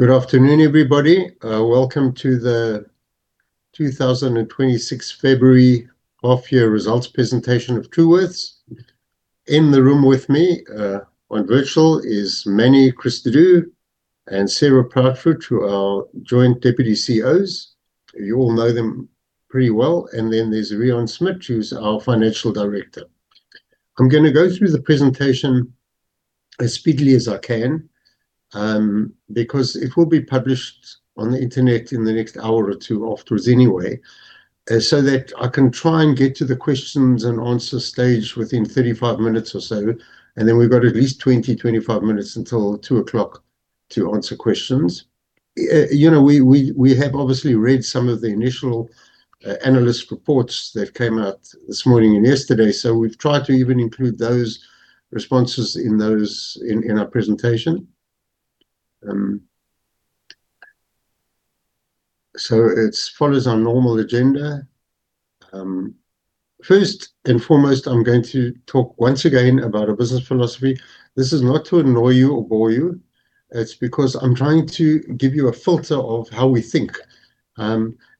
Good afternoon, everybody. Welcome to the 2026 February half year results presentation of Truworths. In the room with me, on virtual is Mannie Cristaudo and Sarah Proudfoot, who are our Joint Deputy CEOs. You all know them pretty well. Then there's Reon Smit, who's our Financial Director. I'm gonna go through the presentation as speedily as I can, because it will be published on the internet in the next hour or two afterwards anyway. So that I can try and get to the questions and answer stage within 35 minutes or so, and then we've got at least 20, 25 minutes until 2:00 P.M. to answer questions. You know, we have obviously read some of the initial analyst reports that came out this morning and yesterday, so we've tried to even include those responses in those, in our presentation. It follows our normal agenda. First and foremost, I'm going to talk once again about our business philosophy. This is not to annoy you or bore you. It's because I'm trying to give you a filter of how we think.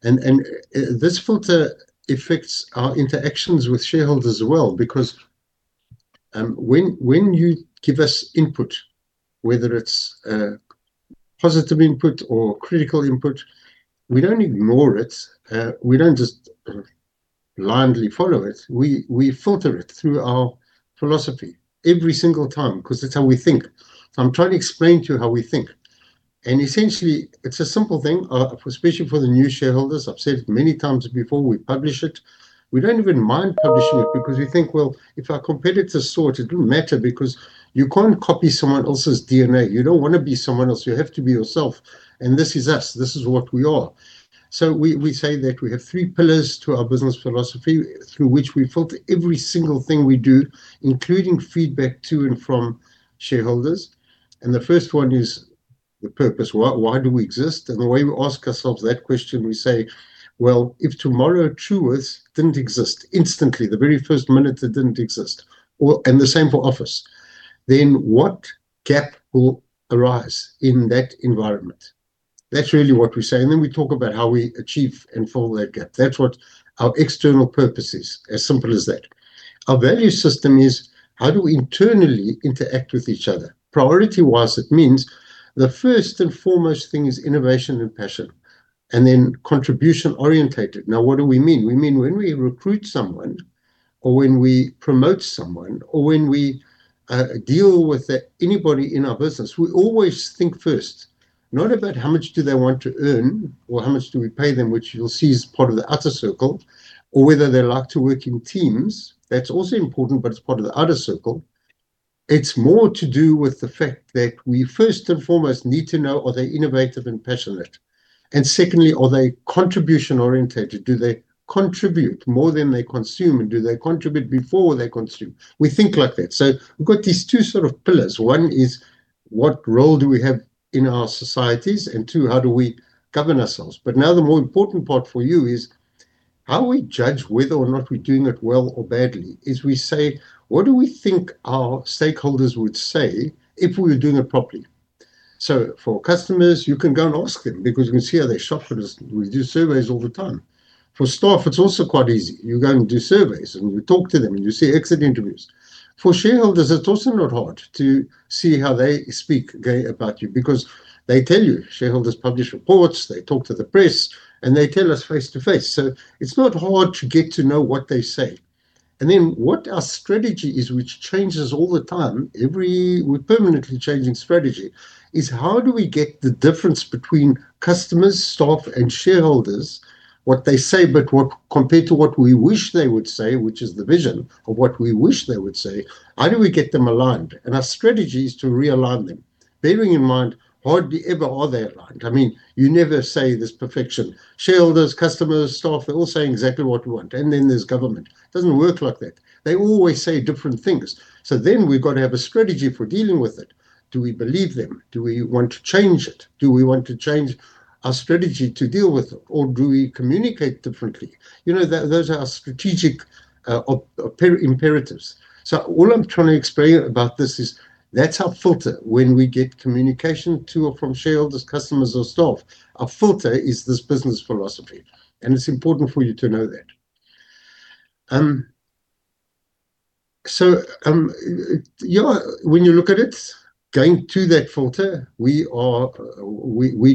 This filter affects our interactions with shareholders as well, because when you give us input, whether it's positive input or critical input, we don't ignore it. We don't just blindly follow it. We filter it through our philosophy every single time, 'cause that's how we think. I'm trying to explain to you how we think, and essentially it's a simple thing, especially for the new shareholders. I've said it many times before, we publish it. We don't even mind publishing it because we think, well, if our competitors saw it wouldn't matter because you can't copy someone else's DNA. You don't wanna be someone else, you have to be yourself. This is us, this is what we are. We say that we have three pillars to our business philosophy through which we filter every single thing we do, including feedback to and from shareholders. The first one is the purpose. Why do we exist? The way we ask ourselves that question, we say, "Well, if tomorrow Truworths didn't exist, instantly, the very first minute it didn't exist, or the same for Office, then what gap will arise in that environment?" That's really what we say, and then we talk about how we achieve and fill that gap. That's what our external purpose is, as simple as that. Our value system is, how do we internally interact with each other? Priority-wise, it means the first and foremost thing is innovation and passion, and then contribution-orientated. Now, what do we mean? We mean when we recruit someone or when we promote someone, or when we deal with anybody in our business, we always think first, not about how much do they want to earn or how much do we pay them, which you'll see is part of the outer circle, or whether they like to work in teams. That's also important, but it's part of the outer circle. It's more to do with the fact that we first and foremost need to know are they innovative and passionate? Secondly, are they contribution-oriented? Do they contribute more than they consume, and do they contribute before they consume? We think like that. We've got these two sort of pillars. One is, what role do we have in our societies? Two, how do we govern ourselves? Now, the more important part for you is, how we judge whether or not we're doing it well or badly, is we say, "What do we think our stakeholders would say if we were doing it properly?" For customers, you can go and ask them because you can see how they shop with us. We do surveys all the time. For staff, it's also quite easy. You go and do surveys, you talk to them, and you see exit interviews. For shareholders, it's also not hard to see how they speak about you because they tell you. Shareholders publish reports, they talk to the press, and they tell us face to face. It's not hard to get to know what they say. What our strategy is, which changes all the time, we're permanently changing strategy, is how do we get the difference between customers, staff, and shareholders, what they say, but compared to what we wish they would say, which is the vision of what we wish they would say, how do we get them aligned? Our strategy is to realign them, bearing in mind, hardly ever are they aligned. I mean, you never say there's perfection. Shareholders, customers, staff, they all say exactly what we want. Then there's government. It doesn't work like that. They always say different things. Then we've got to have a strategy for dealing with it. Do we believe them? Do we want to change it? Do we want to change our strategy to deal with it, or do we communicate differently? You know, that, those are our strategic imperatives. All I'm trying to explain about this is that's our filter when we get communication to or from shareholders, customers, or staff. Our filter is this business philosophy, and it's important for you to know that. Yeah, when you look at it, going to that filter, we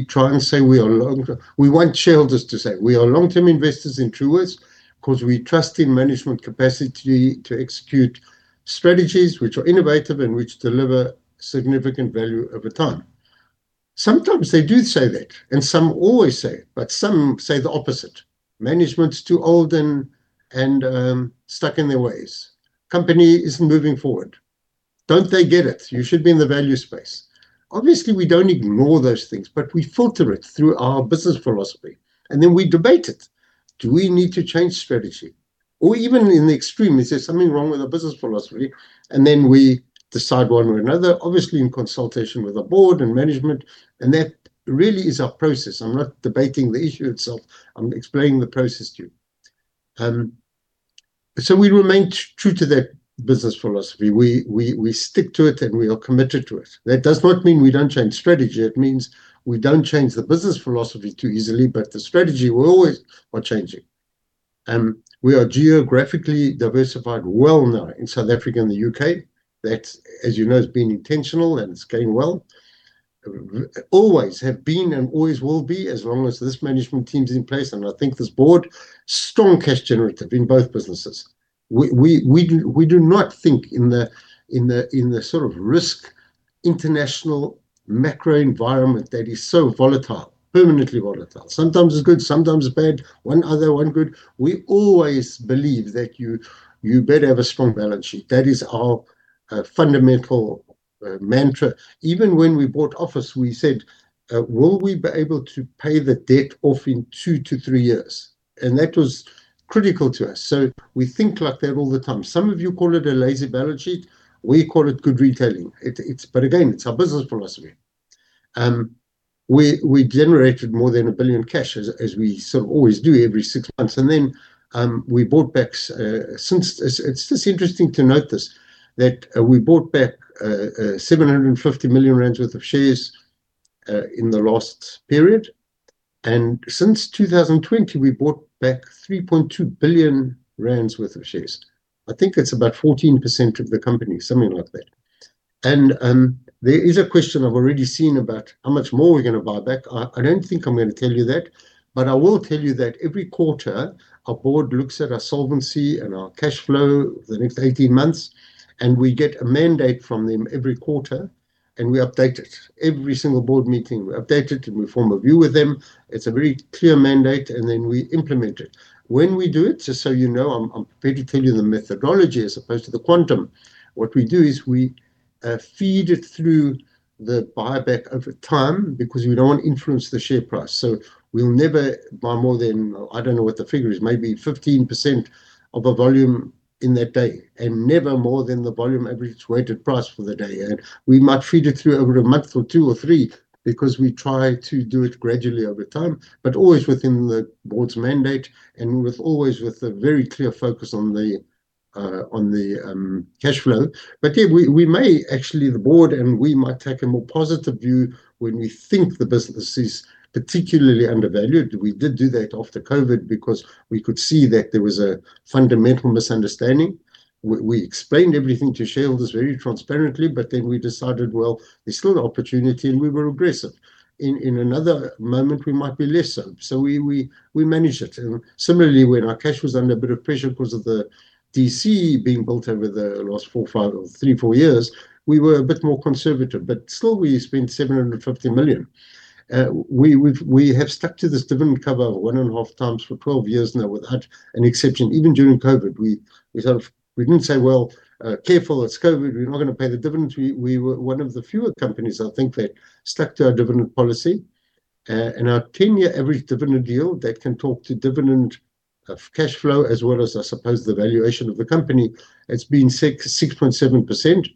try and say we are long-term. We want shareholders to say, "We are long-term investors in Truworths 'cause we trust in management capacity to execute strategies which are innovative and which deliver significant value over time." Sometimes they do say that, and some always say it, but some say the opposite. "Management's too old and, stuck in their ways. Company isn't moving forward. Don't they get it? You should be in the value space." Obviously, we don't ignore those things, but we filter it through our business philosophy, and then we debate it. Do we need to change strategy? Or even in the extreme, is there something wrong with our business philosophy? And then we decide one way or another, obviously in consultation with the board and management, and that really is our process. I'm not debating the issue itself, I'm explaining the process to you. We remain true to that business philosophy. We stick to it, and we are committed to it. That does not mean we don't change strategy. It means we don't change the business philosophy too easily, but the strategy, we always are changing. We are geographically diversified well now in South Africa and the U.K. That, as you know, has been intentional, and it's going well. Always have been and always will be, as long as this management team is in place, and I think this board, strong cash generative in both businesses. We do not think in the, in the, in the sort of risk international macro environment that is so volatile, permanently volatile. Sometimes it's good, sometimes bad, one other, one good. We always believe that you better have a strong balance sheet. That is our fundamental mantra. Even when we bought Office, we said, "Will we be able to pay the debt off in two to three years?" That was critical to us. We think like that all the time. Some of you call it a lazy balance sheet, we call it good retailing. Again, it's our business philosophy. We generated more than 1 billion cash, as we sort of always do every six months. Since, it's just interesting to note this, that we bought back 750 million rand worth of shares in the last period, since 2020, we bought back 3.2 billion rand worth of shares. I think that's about 14% of the company, something like that. There is a question I've already seen about how much more we're gonna buy back. I don't think I'm gonna tell you that. I will tell you that every quarter, our board looks at our solvency and our cash flow for the next 18 months. We get a mandate from them every quarter, and we update it. Every single board meeting, we update it. We form a view with them. It's a very clear mandate. Then we implement it. When we do it, just so you know, I'm happy to tell you the methodology as opposed to the quantum. What we do is we feed it through the buyback over time because we don't want to influence the share price. We'll never buy more than, I don't know what the figure is, maybe 15% of a volume in that day, and never more than the volume average weighted price for the day. We might feed it through over a month or two or three because we try to do it gradually over time, but always within the board's mandate and always with a very clear focus on the cash flow. We may. Actually, the board and we might take a more positive view when we think the business is particularly undervalued. We did do that after COVID because we could see that there was a fundamental misunderstanding. We explained everything to shareholders very transparently, but then we decided, well, there's still an opportunity, and we were aggressive. In another moment, we might be less so. We manage it. Similarly, when our cash was under a bit of pressure because of the D.C. being built over the last four, five or three, four years, we were a bit more conservative, but still, we spent 750 million. We have stuck to this dividend cover of 1.5 times for 12 years now, without an exception. Even during COVID, we sort of... We didn't say, "Well, careful, it's COVID. We're not gonna pay the dividend." We were one of the fewer companies, I think, that stuck to our dividend policy. And our 10-year average dividend yield, that can talk to dividend, cash flow, as well as, I suppose, the valuation of the company. It's been 6.7%.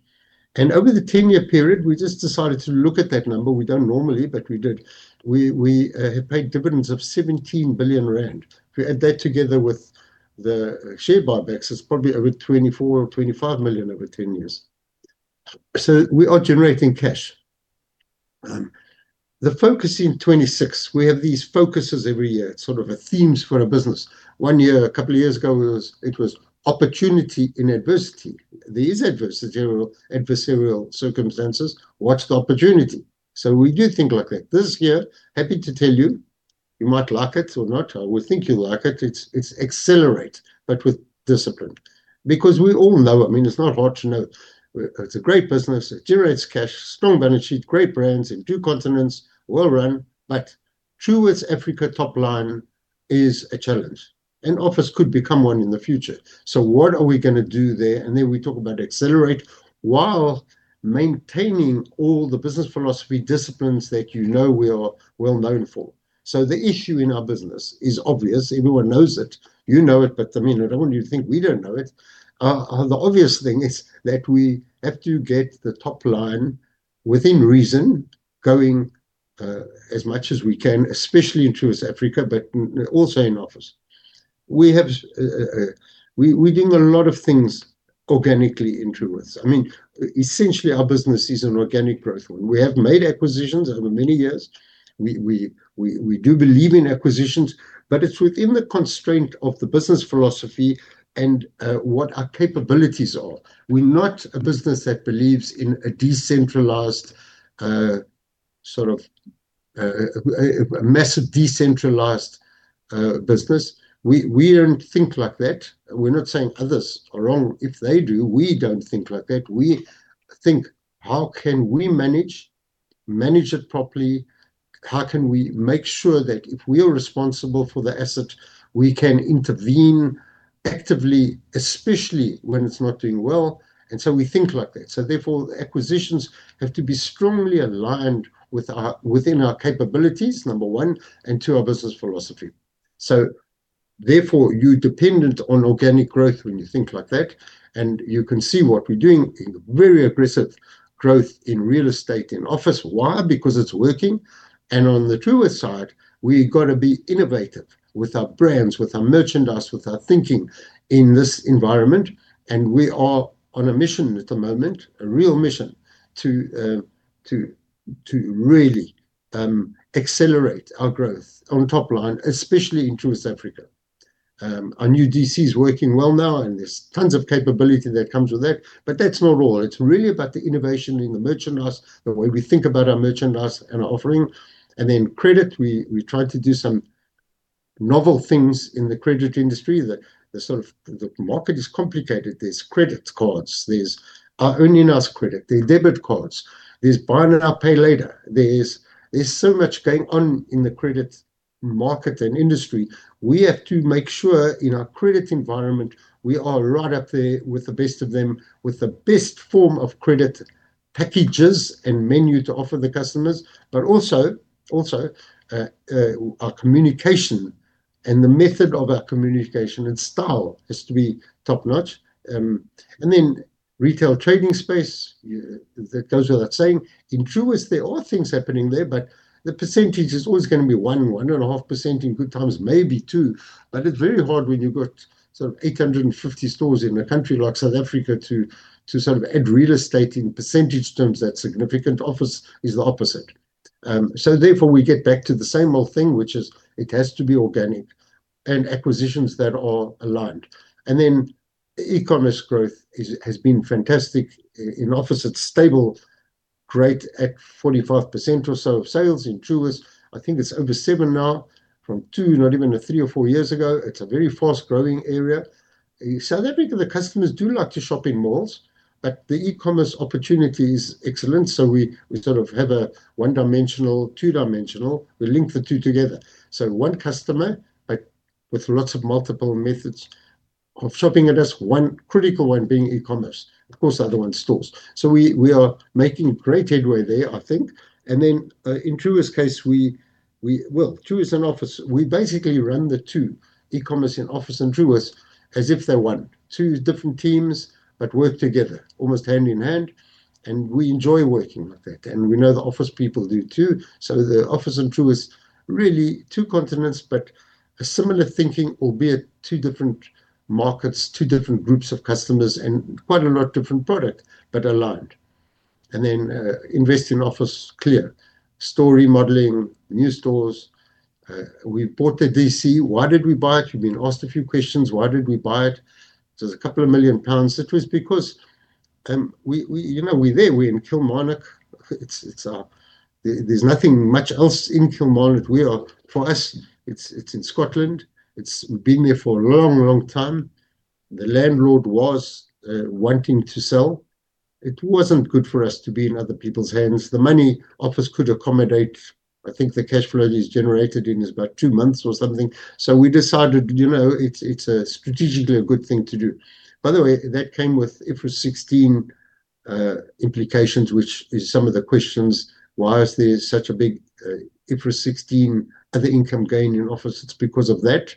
Over the 10-year period, we just decided to look at that number. We don't normally, we did. We have paid dividends of 17 billion rand. If you add that together with the share buybacks, it's probably over 24 million or 25 million over 10 years. We are generating cash. The focus in 2026, we have these focuses every year, sort of a themes for our business. One year, a couple of years ago, it was opportunity in adversity. There is adversity, general adversarial circumstances. What's the opportunity? We do think like that. This year, happy to tell you might like it or not. I would think you like it. It's accelerate, with discipline. We all know, I mean, it's not hard to know. It's a great business. It generates cash, strong balance sheet, great brands in two continents, well-run, but Truworths Africa top line is a challenge, and Office could become one in the future. What are we gonna do there? We talk about accelerate while maintaining all the business philosophy disciplines that you know we are well known for. The issue in our business is obvious. Everyone knows it. You know it, but, I mean, I don't want you to think we don't know it. The obvious thing is that we have to get the top line, within reason, going as much as we can, especially in Truworths Africa, but also in Office. We're doing a lot of things organically in Truworths. I mean, essentially, our business is an organic growth one. We have made acquisitions over many years. We do believe in acquisitions, but it's within the constraint of the business philosophy and what our capabilities are. We're not a business that believes in a decentralized, sort of, a massive decentralized, business. We don't think like that. We're not saying others are wrong if they do. We don't think like that. We think, how can we manage it properly? How can we make sure that if we are responsible for the asset, we can intervene actively, especially when it's not doing well? We think like that. Therefore, acquisitions have to be strongly aligned with our capabilities, number one, and two, our business philosophy. Therefore, you're dependent on organic growth when you think like that, and you can see what we're doing, very aggressive growth in real estate, in Office. Why? It's working, and on the Truworths side, we've got to be innovative with our brands, with our merchandise, with our thinking in this environment, and we are on a mission at the moment, a real mission, to really accelerate our growth on top line, especially in Truworths Africa. Our new D.C. is working well now, and there's tons of capability that comes with that, but that's not all. It's really about the innovation in the merchandise, the way we think about our merchandise and our offering. Credit, we tried to do some novel things in the credit industry that the market is complicated. There's credit cards, there's our own in-house credit, there's debit cards, there's Buy Now, Pay Later. There's so much going on in the credit market and industry. We have to make sure in our credit environment, we are right up there with the best of them, with the best form of credit packages and menu to offer the customers, but also our communication and the method of our communication and style has to be top-notch. Retail trading space, that goes without saying. In Truworths, there are things happening there, but the percentage is always gonna be 1.5% in good times, maybe two, but it's very hard when you've got sort of 850 stores in a country like South Africa to sort of add real estate in percentage terms that's significant. Office is the opposite. We get back to the same old thing, which is it has to be organic and acquisitions that are aligned. E-commerce growth has been fantastic. In Office, it's stable, great at 45% or so of sales. In Truworths, I think it's over seven now from two, not even three or four years ago. It's a very fast-growing area. In South Africa, the customers do like to shop in malls, but the e-commerce opportunity is excellent, we sort of have a one-dimensional, two-dimensional. We link the two together. One customer, but with lots of multiple methods of shopping with us, one critical one being e-commerce. Of course, the other one's stores. We are making great headway there, I think. In Truworths' case, Well, Truworths and Office, we basically run the two, e-commerce in Office and Truworths, as if they're one. Two different teams, work together, almost hand in hand, we enjoy working like that, we know the Office people do, too. The Office and Truworths, really two continents, a similar thinking, albeit two different markets, two different groups of customers, quite a lot different product, aligned. Invest in Office, clear. Store remodeling, new stores. We bought the D.C. Why did we buy it? We've been asked a few questions. Why did we buy it? It was a couple of million GBP. It was because, you know, we're there. We're in Kilmarnock. It's, there's nothing much else in Kilmarnock. For us, it's in Scotland. It's been there for a long, long time. The landlord was wanting to sell. It wasn't good for us to be in other people's hands. The money, Office could accommodate. I think the cash flow it's generated in is about two months or something. We decided it's a strategically a good thing to do. By the way, that came with IFRS 16 implications, which is some of the questions, why is there such a big IFRS 16 other income gain in Office? It's because of that.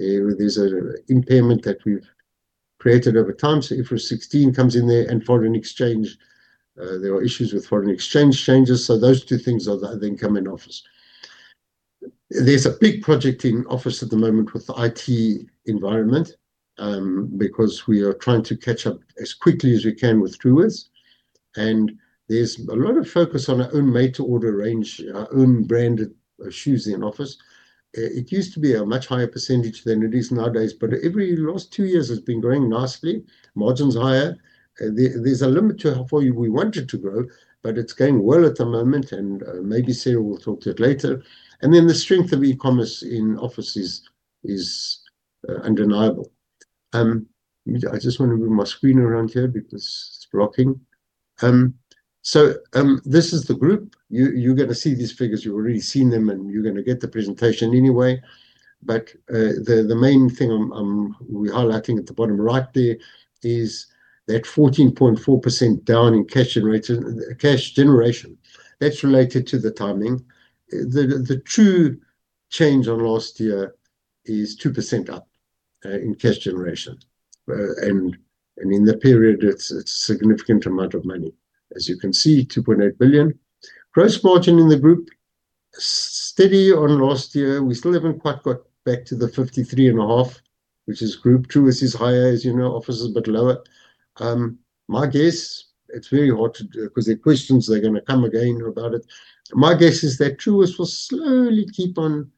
There's a impairment that we've created over time, IFRS 16 comes in there, foreign exchange. There are issues with foreign exchange changes, those two things are the income in Office. There's a big project in Office at the moment with the IT environment, because we are trying to catch up as quickly as we can with Truworths, there's a lot of focus on our own made-to-order range, our own branded shoes in Office. It used to be a much higher percentage than it is nowadays. Last two years has been growing nicely, margins higher. There's a limit to how far we want it to grow, but it's going well at the moment, and maybe Sarah will talk to it later. The strength of e-commerce in Office is undeniable. I just want to move my screen around here because it's blocking. This is the group. You're gonna see these figures. You've already seen them, and you're gonna get the presentation anyway. The main thing I'm we're highlighting at the bottom right there is that 14.4% down in cash generation. That's related to the timing. The true change on last year is 2% up in cash generation. In the period, it's a significant amount of money. As you can see, 2.8 billion. Gross margin in the group, steady on last year. We still haven't quite got back to the 53.5%, which is group. Truworths is higher, as you know. Office is a bit lower. My guess, it's very hard to do, 'cause the questions are gonna come again about it. My guess is that Truworths will slowly keep on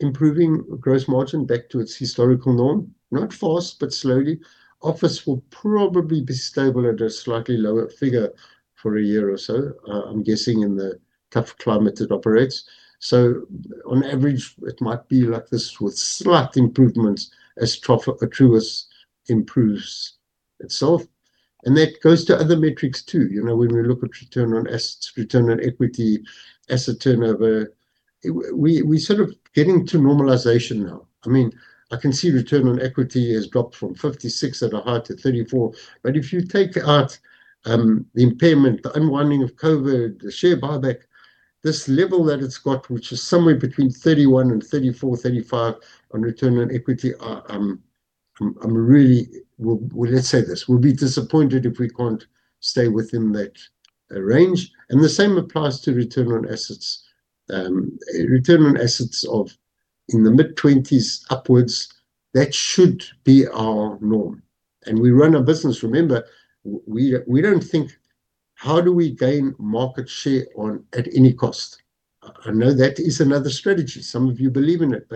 improving gross margin back to its historical norm. Not fast, but slowly. Office will probably be stable at a slightly lower figure for a year or so, I'm guessing, in the tough climate it operates. On average, it might be like this with slight improvements as Truworths improves itself. That goes to other metrics, too. You know, when we look at return on assets, return on equity, asset turnover, we sort of getting to normalization now. I mean, I can see return on equity has dropped from 56 at a high to 34, but if you take out the impairment, the unwinding of COVID, the share buyback, this level that it's got, which is somewhere between 31 and 34-35 on return on equity, I'm really well, let's say this: we'll be disappointed if we can't stay within that range. The same applies to return on assets. A return on assets of in the mid-20s upwards, that should be our norm. We run a business, remember, we don't think, "How do we gain market share on at any cost?" I know that is another strategy. Some of you believe in it,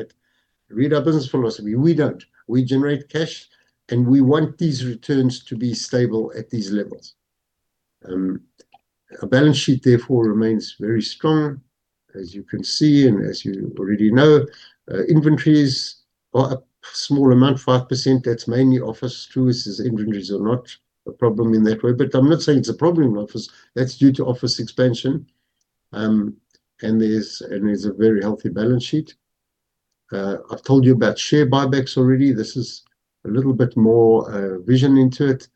Read our business philosophy. We don't. We generate cash, and we want these returns to be stable at these levels. Our balance sheet, therefore, remains very strong, as you can see and as you already know. Inventories are a small amount, 5%. That's mainly Office. Truworths' inventories are not a problem in that way, but I'm not saying it's a problem in Office. That's due to Office expansion. There's a very healthy balance sheet. I've told you about share buybacks already. This is a little bit more vision into it.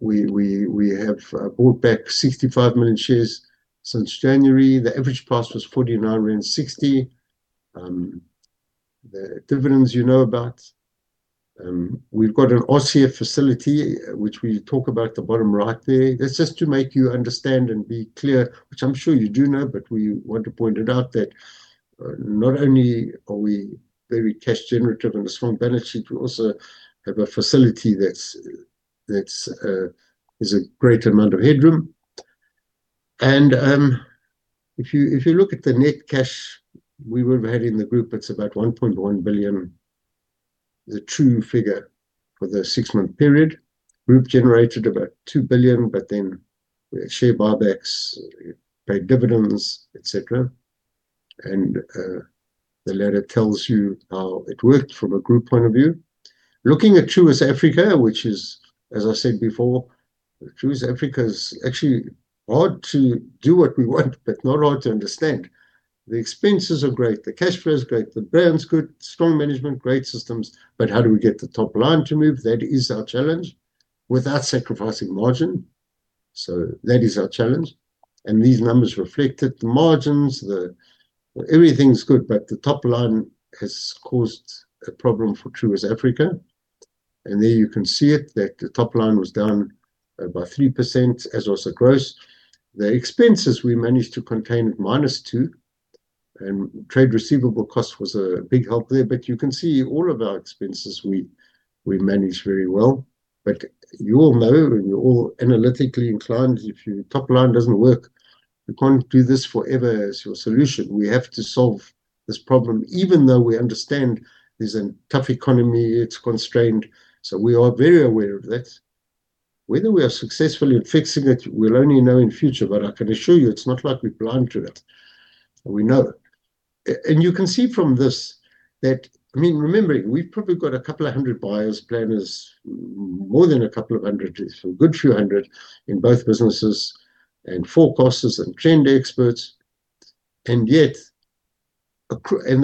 We have bought back 65 million shares since January. The average price was 49.60. The dividends you know about. We've got an Asia facility, which we talk about at the bottom right there. That's just to make you understand and be clear, which I'm sure you do know, but we want to point it out, that not only are we very cash generative and a strong balance sheet, we also have a facility that's a great amount of headroom. If you, if you look at the net cash we would've had in the group, it's about 1.1 billion. The true figure for the six-month period. Group generated about 2 billion, but then we had share buybacks, paid dividends, etc. The letter tells you how it worked from a group point of view. Looking at Truworths Africa, which is, as I said before, Truworths Africa is actually hard to do what we want, but not hard to understand. The expenses are great, the cash flow is great, the brand's good, strong management, great systems, how do we get the top line to move? That is our challenge, without sacrificing margin. That is our challenge, these numbers reflect it. The margins, everything's good, the top line has caused a problem for Truworths Africa. There you can see it, that the top line was down by 3%, as was the gross. The expenses, we managed to contain at -2%, trade receivable cost was a big help there. You can see all of our expenses, we managed very well. You all know, you're all analytically inclined, if your top line doesn't work, you can't do this forever as your solution. We have to solve this problem, even though we understand it's a tough economy, it's constrained, so we are very aware of that. Whether we are successful in fixing it, we'll only know in future, but I can assure you, it's not like we're blind to it. We know. You can see from this, that I mean, remember, we've probably got a couple of hundred buyers, planners, more than a couple of hundred. It's a good few hundred in both businesses, and forecasters and trend experts, and yet, and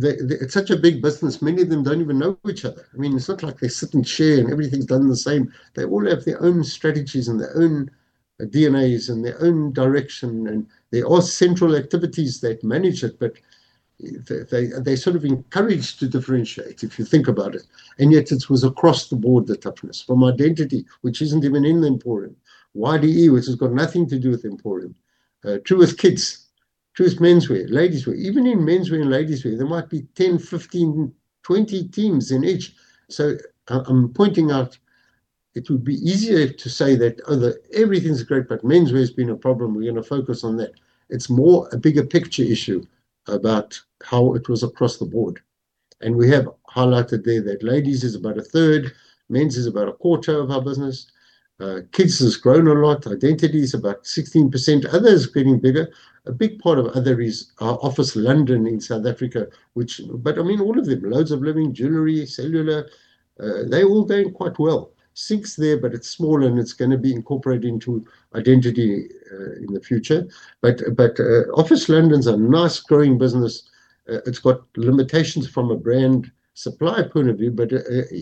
they. It's such a big business, many of them don't even know each other. I mean, it's not like they sit and share, and everything's done the same. They all have their own strategies and their own DNAs and their own direction, and there are central activities that manage it, but they're sort of encouraged to differentiate, if you think about it. Yet, it was across the board, the toughness. From Identity, which isn't even in the Emporium. YDE, which has got nothing to do with Emporium. Truworths Kids, Truworths Menswear, Ladies Wear. Even in Menswear and Ladies Wear, there might be 10, 15, 20 teams in each. I'm pointing out it would be easier to say that, "Oh, everything's great, but Menswear has been a problem. We're gonna focus on that." It's more a bigger picture issue about how it was across the board. We have highlighted there that ladies is about 1/3, men's is about a quarter of our business. Kids has grown a lot. Identity is about 16%. Other is getting bigger. A big part of other is our Office London in South Africa. I mean, all of them, Loads of Living, Jewellery, Cellular, they're all doing quite well. Sync's there, but it's small, and it's gonna be incorporated into Identity in the future. Office London's a nice growing business. It's got limitations from a brand supply point of view,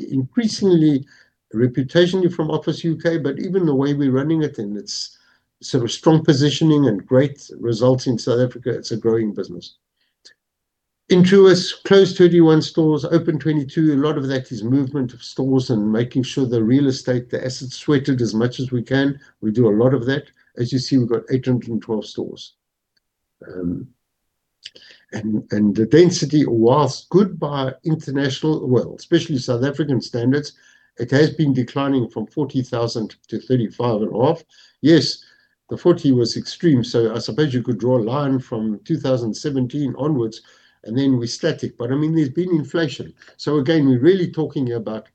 increasingly, reputationally from Office UK, even the way we're running it and its sort of strong positioning and great results in South Africa, it's a growing business. In Truworths, closed 31 stores, opened 22. A lot of that is movement of stores and making sure the real estate, the assets, sweated as much as we can. We do a lot of that. As you see, we've got 812 stores. The density, whilst good by international, especially South African standards, it has been declining from 40,000 to 35,000 and off. Yes, the 40 was extreme. I suppose you could draw a line from 2017 onwards. Then we're static. I mean, there's been inflation. Again, we're really talking here about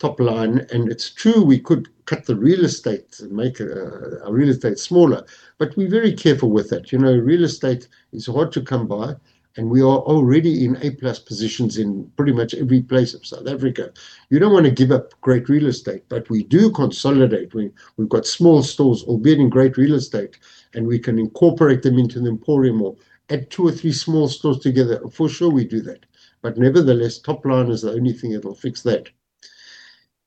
top line. It's true we could cut the real estate and make our real estate smaller. We're very careful with that. You know, real estate is hard to come by. We are already in A-plus positions in pretty much every place of South Africa. You don't wanna give up great real estate. We do consolidate. We've got small stores, albeit in great real estate. We can incorporate them into an Emporium or add 2 or 3 small stores together. For sure, we do that. Nevertheless, top line is the only thing that will fix that.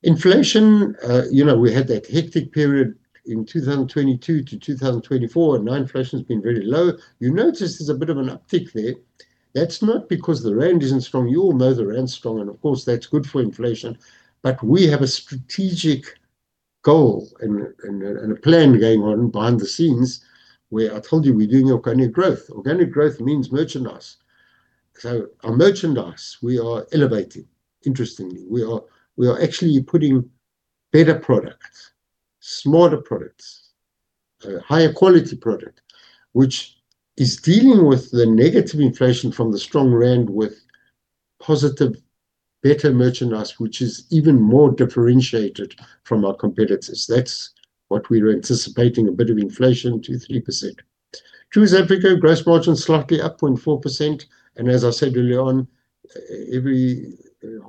Inflation, you know, we had that hectic period in 2022 to 2024, and now inflation's been very low. You notice there's a bit of an uptick there. That's not because the rand isn't strong. You all know the rand's strong, and of course, that's good for inflation. We have a strategic goal and a plan going on behind the scenes where I told you we're doing organic growth. Organic growth means merchandise. Our merchandise, we are elevating. Interestingly, we are actually putting better products, smarter products, higher quality product, which is dealing with the negative inflation from the strong rand with positive, better merchandise, which is even more differentiated from our competitors. That's what we were anticipating, a bit of inflation, 2%-3%. Truworths Africa gross margin slightly up 0.4%, and as I said earlier on, every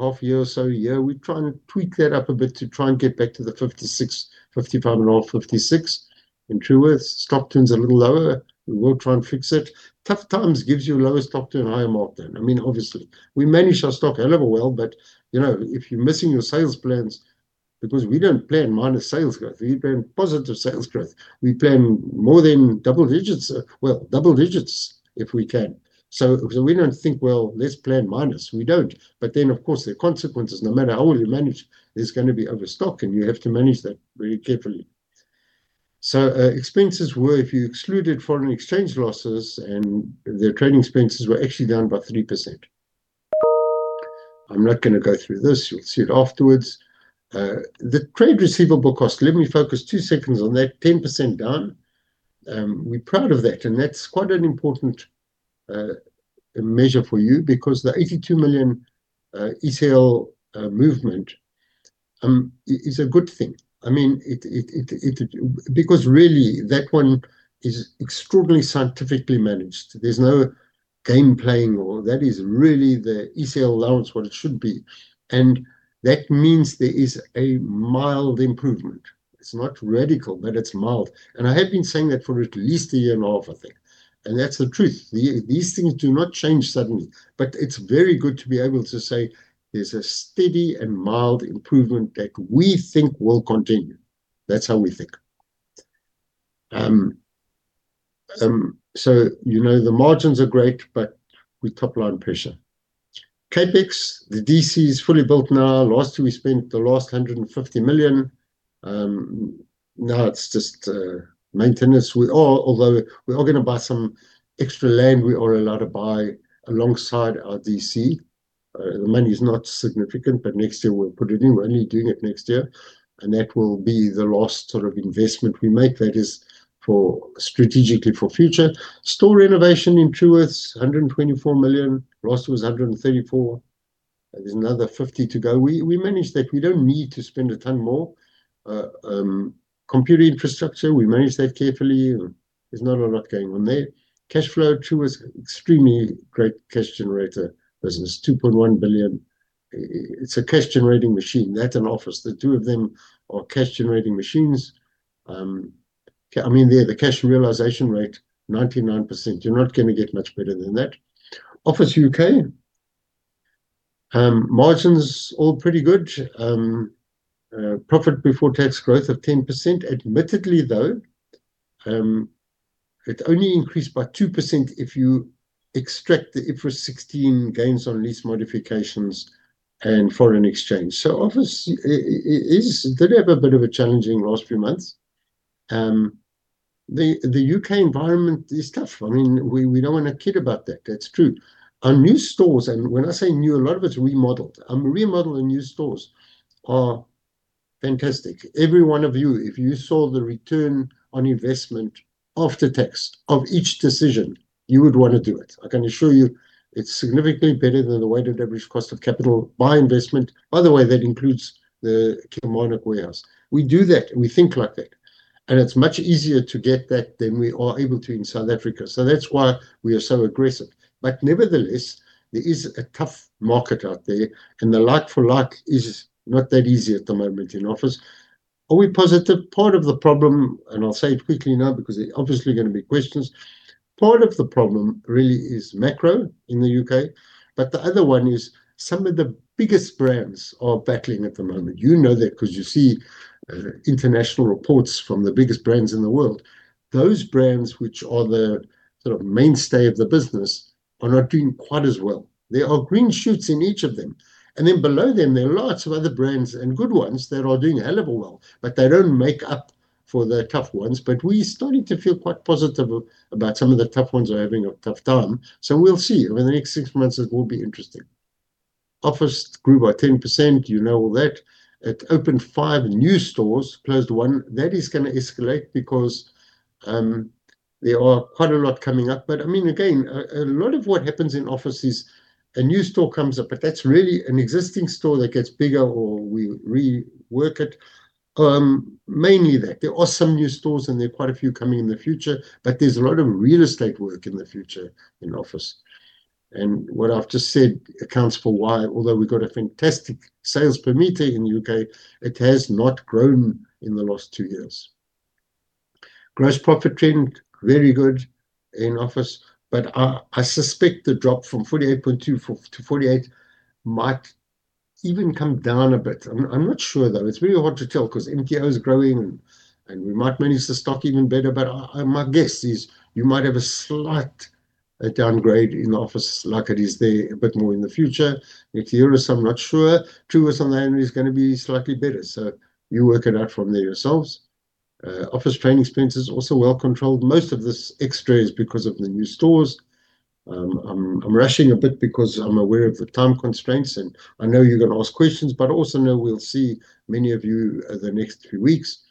half year or so a year, we try and tweak that up a bit to try and get back to the 56%, 55.5%, 56%. In Truworths, stock turns a little lower. We will try and fix it. Tough times gives you lower stock turn and higher mark down. I mean, obviously, we manage our stock a hell of a well, but, you know, if you're missing your sales plans... We don't plan minus sales growth, we plan positive sales growth. We plan more than double digits, well, double digits if we can. We don't think, well, let's plan minus. We don't. Of course, there are consequences. No matter how well you manage, there's gonna be overstock. You have to manage that very carefully. Expenses were, if you excluded foreign exchange losses, their trading expenses were actually down by 3%. I'm not gonna go through this. You'll see it afterwards. The trade receivable cost, let me focus two seconds on that, 10% down. We're proud of that, and that's quite an important measure for you because the 82 million ECL movement is a good thing. I mean, it because really, that one is extraordinarily scientifically managed. There's no game playing or... That is really the ECL allowance, what it should be, and that means there is a mild improvement. It's not radical, but it's mild. I have been saying that for at least a year and a half, I think, and that's the truth. These things do not change suddenly, but it's very good to be able to say there's a steady and mild improvement that we think will continue. That's how we think. You know, the margins are great, but with top-line pressure. CapEx, the DC is fully built now. Last year, we spent the last 150 million. Now it's just maintenance. Although we are gonna buy some extra land we are allowed to buy alongside our D.C. The money is not significant, but next year we'll put it in. We're only doing it next year, and that will be the last sort of investment we make. That is for strategically for future. Store renovation in Truworths, 124 million. Last was 134. There's another 50 to go. We managed that. We don't need to spend a ton more. Computer infrastructure, we manage that carefully. There's not a lot going on there. Cash flow, Truworths, extremely great cash generator business, 2.1 billion. It's a cash-generating machine. That and Office, the two of them are cash-generating machines. I mean, they're the cash realization rate, 99%. You're not gonna get much better than that. Office UK, margins all pretty good. Profit before tax growth of 10%. Admittedly, though, it only increased by 2% if you extract the IFRS 16 gains on lease modifications and foreign exchange. Office did have a bit of a challenging last few months. The U.K. environment is tough. I mean, we don't want to kid about that. That's true. Our new stores, and when I say new, a lot of it's remodeled. Remodeled and new stores are fantastic. Every one of you, if you saw the ROI after tax of each decision, you would want to do it. I can assure you it's significantly better than the weighted average cost of capital by investment. By the way, that includes the Kilmarnock warehouse. We do that, and we think like that, and it's much easier to get that than we are able to in South Africa. That's why we are so aggressive. Nevertheless, there is a tough market out there, and the like for like is not that easy at the moment in Office. Are we positive? Part of the problem, and I'll say it quickly now, because there are obviously gonna be questions. Part of the problem really is macro in the U.K., but the other one is some of the biggest brands are battling at the moment. You know that because you see, international reports from the biggest brands in the world. Those brands, which are the sort of mainstay of the business, are not doing quite as well. There are green shoots in each of them, and then below them, there are lots of other brands, and good ones, that are doing a hell of a well, but they don't make up for the tough ones. We're starting to feel quite positive about some of the tough ones are having a tough time, so we'll see. Over the next six months, it will be interesting. Office grew by 10%, you know all that. It opened five new stores, closed one. That is gonna escalate because there are quite a lot coming up. I mean, again, a lot of what happens in Office is a new store comes up, but that's really an existing store that gets bigger or we rework it. Mainly that. There are some new stores, there are quite a few coming in the future, there's a lot of real estate work in the future in Office. What I've just said accounts for why, although we've got a fantastic sales per meter in the U.K., it has not grown in the last two years. Gross profit trend, very good in Office, I suspect the drop from 48.2%-48% might even come down a bit. I'm not sure, though. It's really hard to tell 'cause MKO is growing, and we might manage the stock even better. I, my guess is you might have a slight downgrade in Office like it is there a bit more in the future. Next year, I'm not sure. Truworths on the hand is gonna be slightly better. You work it out from there yourselves. Office trading expenses also well controlled. Most of this extra is because of the new stores. I'm rushing a bit because I'm aware of the time constraints. I know you're gonna ask questions. I also know we'll see many of you the next 3 weeks.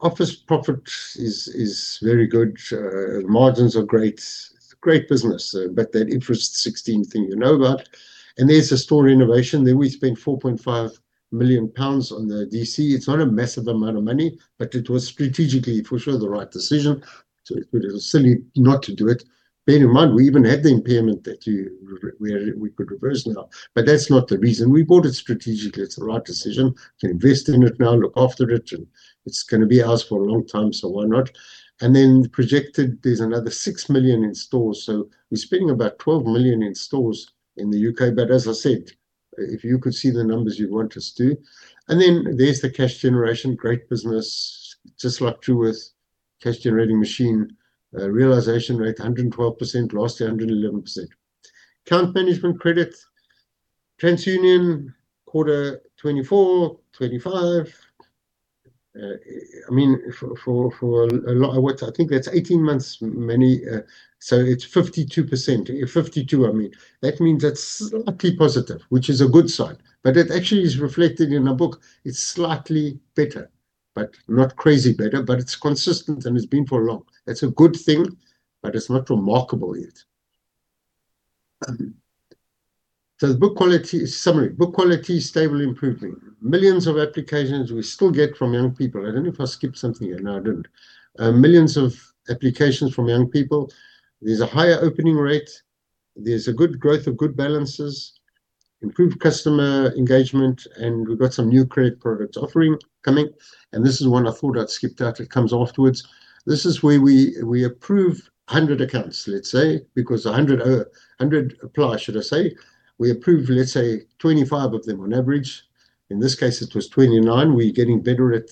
Office profit is very good. Margins are great. It's a great business. That IFRS 16 thing you know about, there's the store innovation. There we spent 4.5 million pounds on the D.C. It's not a massive amount of money, but it was strategically, for sure, the right decision, so it would have been silly not to do it. Bear in mind, we even had the impairment that we could reverse now, but that's not the reason. We bought it strategically. It's the right decision to invest in it now, look after it, and it's gonna be ours for a long time, so why not? Projected, there's another 6 million in stores, so we're spending about 12 million in stores in the U.K. As I said, if you could see the numbers, you'd want us to. There's the cash generation. Great business, just like Truworths, cash-generating machine. Realization rate, 112%, last year, 111%. Account management credit, TransUnion, quarter 24, 25. I mean what? I think that's 18 months, Manny. It's 52%. 52, I mean. That means that's slightly positive, which is a good sign, but that actually is reflected in our book. It's slightly better, but not crazy better, but it's consistent, and it's been for long. That's a good thing, but it's not remarkable yet. The book quality summary: book quality is stable, improving. Millions of applications we still get from young people. I don't know if I skipped something here. No, I didn't. Millions of applications from young people. There's a higher opening rate. There's a good growth of good balances, improved customer engagement, and we've got some new credit products offering coming. This is one I thought I'd skipped out. It comes afterwards. This is where we approve 100 accounts, let's say, because 100 apply, should I say. We approve, let's say, 25 of them on average. In this case, it was 29. We're getting better at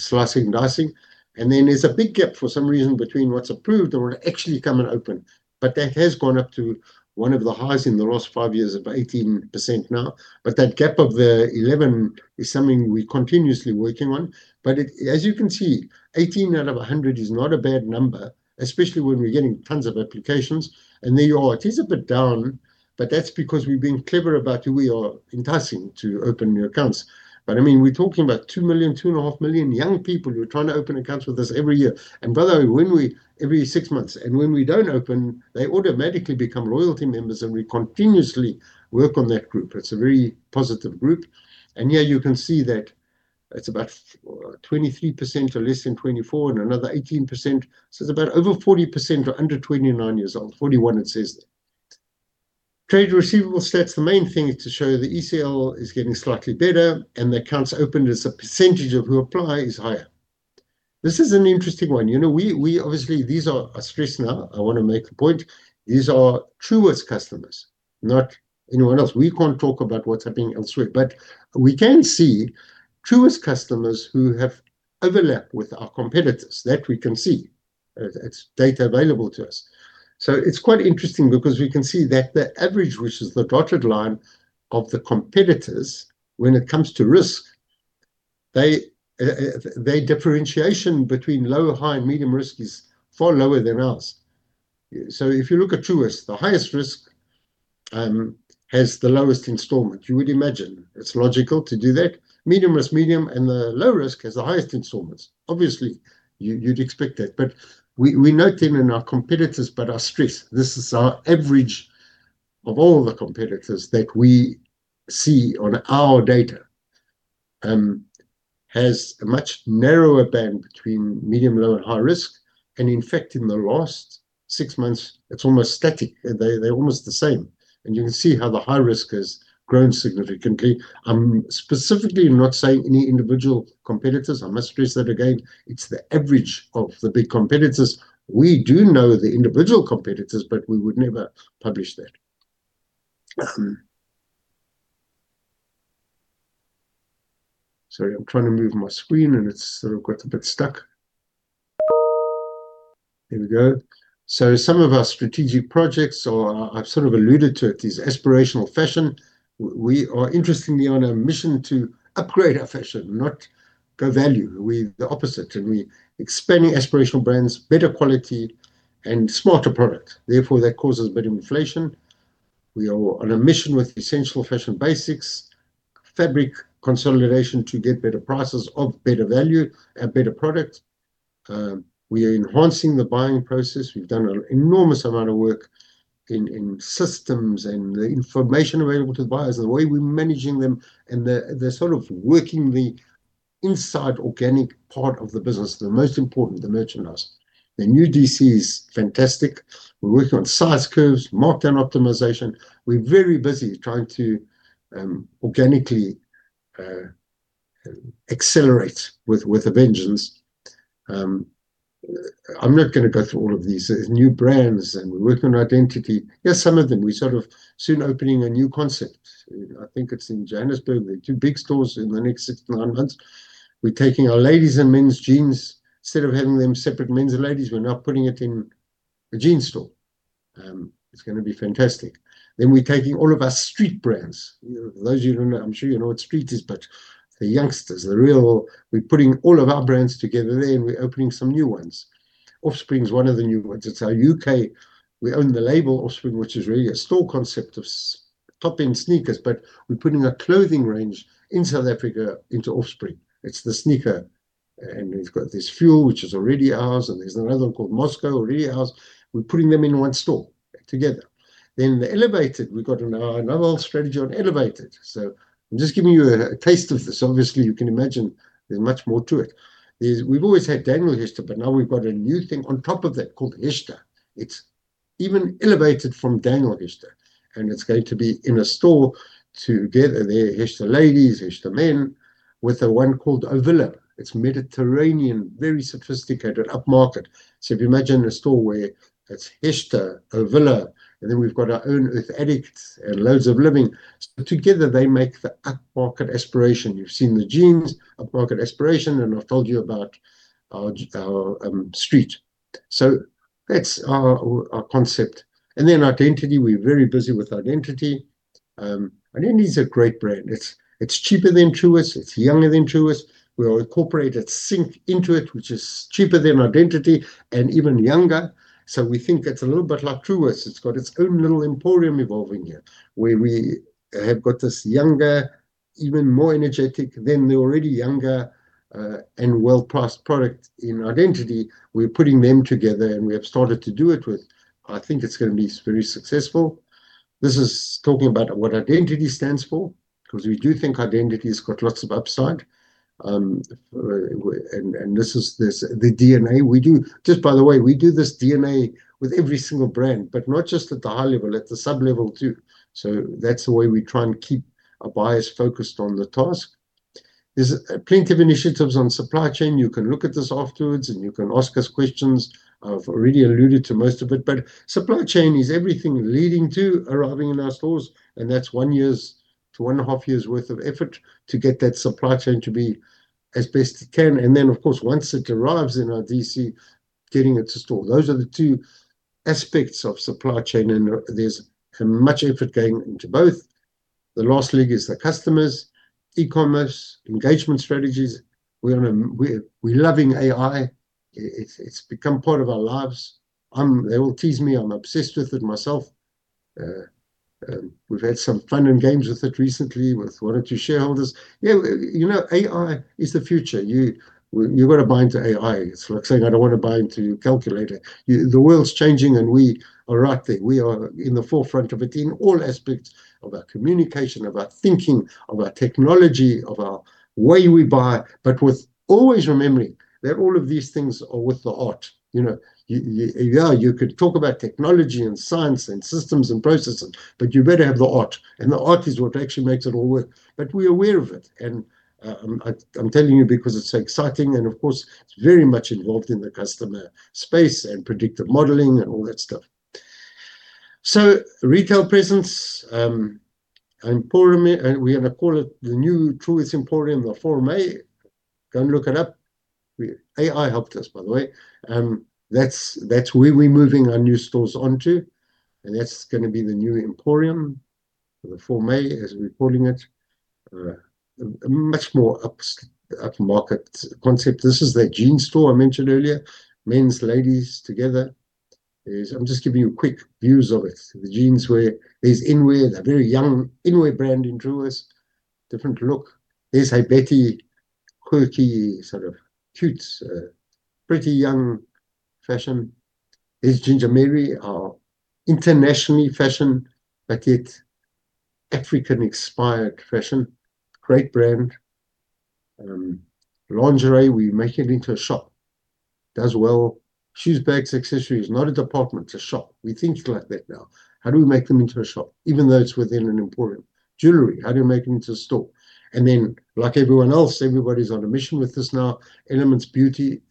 slicing and dicing, and then there's a big gap for some reason between what's approved or actually come and open. That has gone up to one of the highs in the last 5 years, about 18% now. That gap of the 11 is something we're continuously working on. As you can see, 18 out of 100 is not a bad number, especially when we're getting tons of applications. There you are. It is a bit down, but that's because we're being clever about who we are enticing to open new accounts. I mean, we're talking about two million, 2.5 million young people who are trying to open accounts with us every year. By the way, when every 6 months, and when we don't open, they automatically become loyalty members, and we continuously work on that group. It's a very positive group. Here you can see that it's about 23% or less than 24 and another 18%. It's about over 40% are under 29 years old. 41, it says there. Trade receivable stats, the main thing is to show the ECL is getting slightly better, and the accounts opened as a percentage of who apply is higher. This is an interesting one. You know, we obviously... These are our stress now. I want to make a point. These are Truworths customers, not anyone else. We can't talk about what's happening elsewhere, but we can see Truworths customers who have overlap with our competitors. That we can see. It's data available to us. It's quite interesting because we can see that the average, which is the dotted line of the competitors when it comes to risk, their differentiation between low, high, and medium risk is far lower than ours. If you look at Truworths, the highest risk has the lowest installment. You would imagine it's logical to do that. Medium risk, medium, and the low risk has the highest installments. Obviously, you'd expect that. We note them in our competitors, but our stress, this is our average of all the competitors that we see on our data, has a much narrower band between medium, low, and high risk. In fact, in the last six months, it's almost static. They're almost the same, and you can see how the high risk has grown significantly. I'm specifically not saying any individual competitors. I must stress that again. It's the average of the big competitors. We do know the individual competitors, but we would never publish that. Sorry, I'm trying to move my screen, and it's sort of got a bit stuck. Here we go. Some of our strategic projects, or I've sort of alluded to it, is aspirational fashion. We are interestingly on a mission to upgrade our fashion, not go value. We're the opposite, and we expanding aspirational brands, better quality, and smarter product. Therefore, that causes better inflation. We are on a mission with essential fashion basics, fabric consolidation to get better prices of better value, better product. We are enhancing the buying process. We've done an enormous amount of work in systems and the information available to the buyers, the way we're managing them, and the sort of working the inside organic part of the business, the most important, the merchandise. The new DC is fantastic. We're working on size curves, markdown optimization. We're very busy trying to organically accelerate with a vengeance. I'm not gonna go through all of these. There's new brands, and we're working on Identity. Here's some of them. We're sort of soon opening a new concept. I think it's in Johannesburg. There are two big stores in the next six to nine months. We're taking our ladies and men's jeans. Instead of having them separate, men's and ladies, we're now putting it in a jean store. It's gonna be fantastic. We're taking all of our Street brands. Those of you who know... I'm sure you know what Street is, but the youngsters, We're putting all of our brands together there, and we're opening some new ones. Offspring is one of the new ones. It's our U.K. We own the label Offspring, which is really a store concept of top-end sneakers, but we're putting a clothing range in South Africa into Offspring. It's the sneaker, and we've got this Fuel, which is already ours, and there's another one called Moscow, already ours. We're putting them in one store together. The Elevated, we've got another strategy on Elevated. I'm just giving you a taste of this. Obviously, you can imagine there's much more to it. We've always had Daniel Hechter, but now we've got a new thing on top of that called Hechter. It's even elevated from Daniel Hechter, and it's going to be in a store together there, Hechter ladies, Hechter men, with one called O'Vila. If you imagine a store where it's Hechter, O'Vila, and then we've got our own Earthaddict and Loads of Living. Together, they make the upmarket aspiration. You've seen the jeans, upmarket aspiration, and I've told you about our street. That's our concept. Identity, we're very busy with Identity. Identity is a great brand. It's cheaper than Truworths, it's younger than Truworths. We are incorporated Sync into it, which is cheaper than Identity and even younger. We think it's a little bit like Truworths. It's got its own little Emporium evolving here, where we have got this younger, even more energetic than the already younger, and well-priced product in Identity. We're putting them together, and we have started to do it with. I think it's gonna be very successful. This is talking about what Identity stands for, 'cause we do think Identity has got lots of upside. And this is this, the DNA. Just by the way, we do this DNA with every single brand, but not just at the high level, at the sub-level, too. That's the way we try and keep our buyers focused on the task. There's plenty of initiatives on supply chain. You can look at this afterwards, and you can ask us questions. I've already alluded to most of it, but supply chain is everything leading to arriving in our stores, and that's one year's to 1 1/2 years' worth of effort to get that supply chain to be as best it can. Then, of course, once it arrives in our DC, getting it to store. Those are the two aspects of supply chain, and there's much effort going into both. The last league is the customers, e-commerce, engagement strategies. We're on a, we're loving AI. It, it's become part of our lives. They all tease me. I'm obsessed with it myself. We've had some fun and games with it recently, with one or two shareholders. Yeah, you know, AI is the future. You've got to buy into AI. It's like saying, "I don't want to buy into your calculator." The world's changing, and we are right there. We are in the forefront of it in all aspects of our communication, of our thinking, of our technology, of our way we buy, but with always remembering that all of these things are with the art. You know, you, yeah, you could talk about technology and science and systems and processes, but you better have the art, and the art is what actually makes it all work. We're aware of it, and I'm telling you because it's so exciting, and of course, it's very much involved in the customer space and predictive modeling and all that stuff. Retail presence, and Emporium, and we're gonna call it the new Truworths Emporium, the Forme. Go and look it up. We, AI helped us, by the way. That's, that's where we're moving our new stores onto, and that's gonna be the new Emporium, the Forme, as we're calling it. A much more upmarket concept. This is the jean store I mentioned earlier, men's, ladies together. I'm just giving you quick views of it. The jeans where there's Inwear, the very young Inwear brand in Truworths. Different look. There's Hey Betty, quirky, sort of cute, pretty young fashion. There's Ginger Mary, our internationally fashion, but yet African-inspired fashion. Great brand. Lingerie, we make it into a shop. Does well. Shoes, bags, accessories, not a department, it's a shop. We think like that now. How do we make them into a shop, even though it's within an Emporium? Jewellery, how do you make them into a store? Like everyone else, everybody's on a mission with this now. Elements Beauty.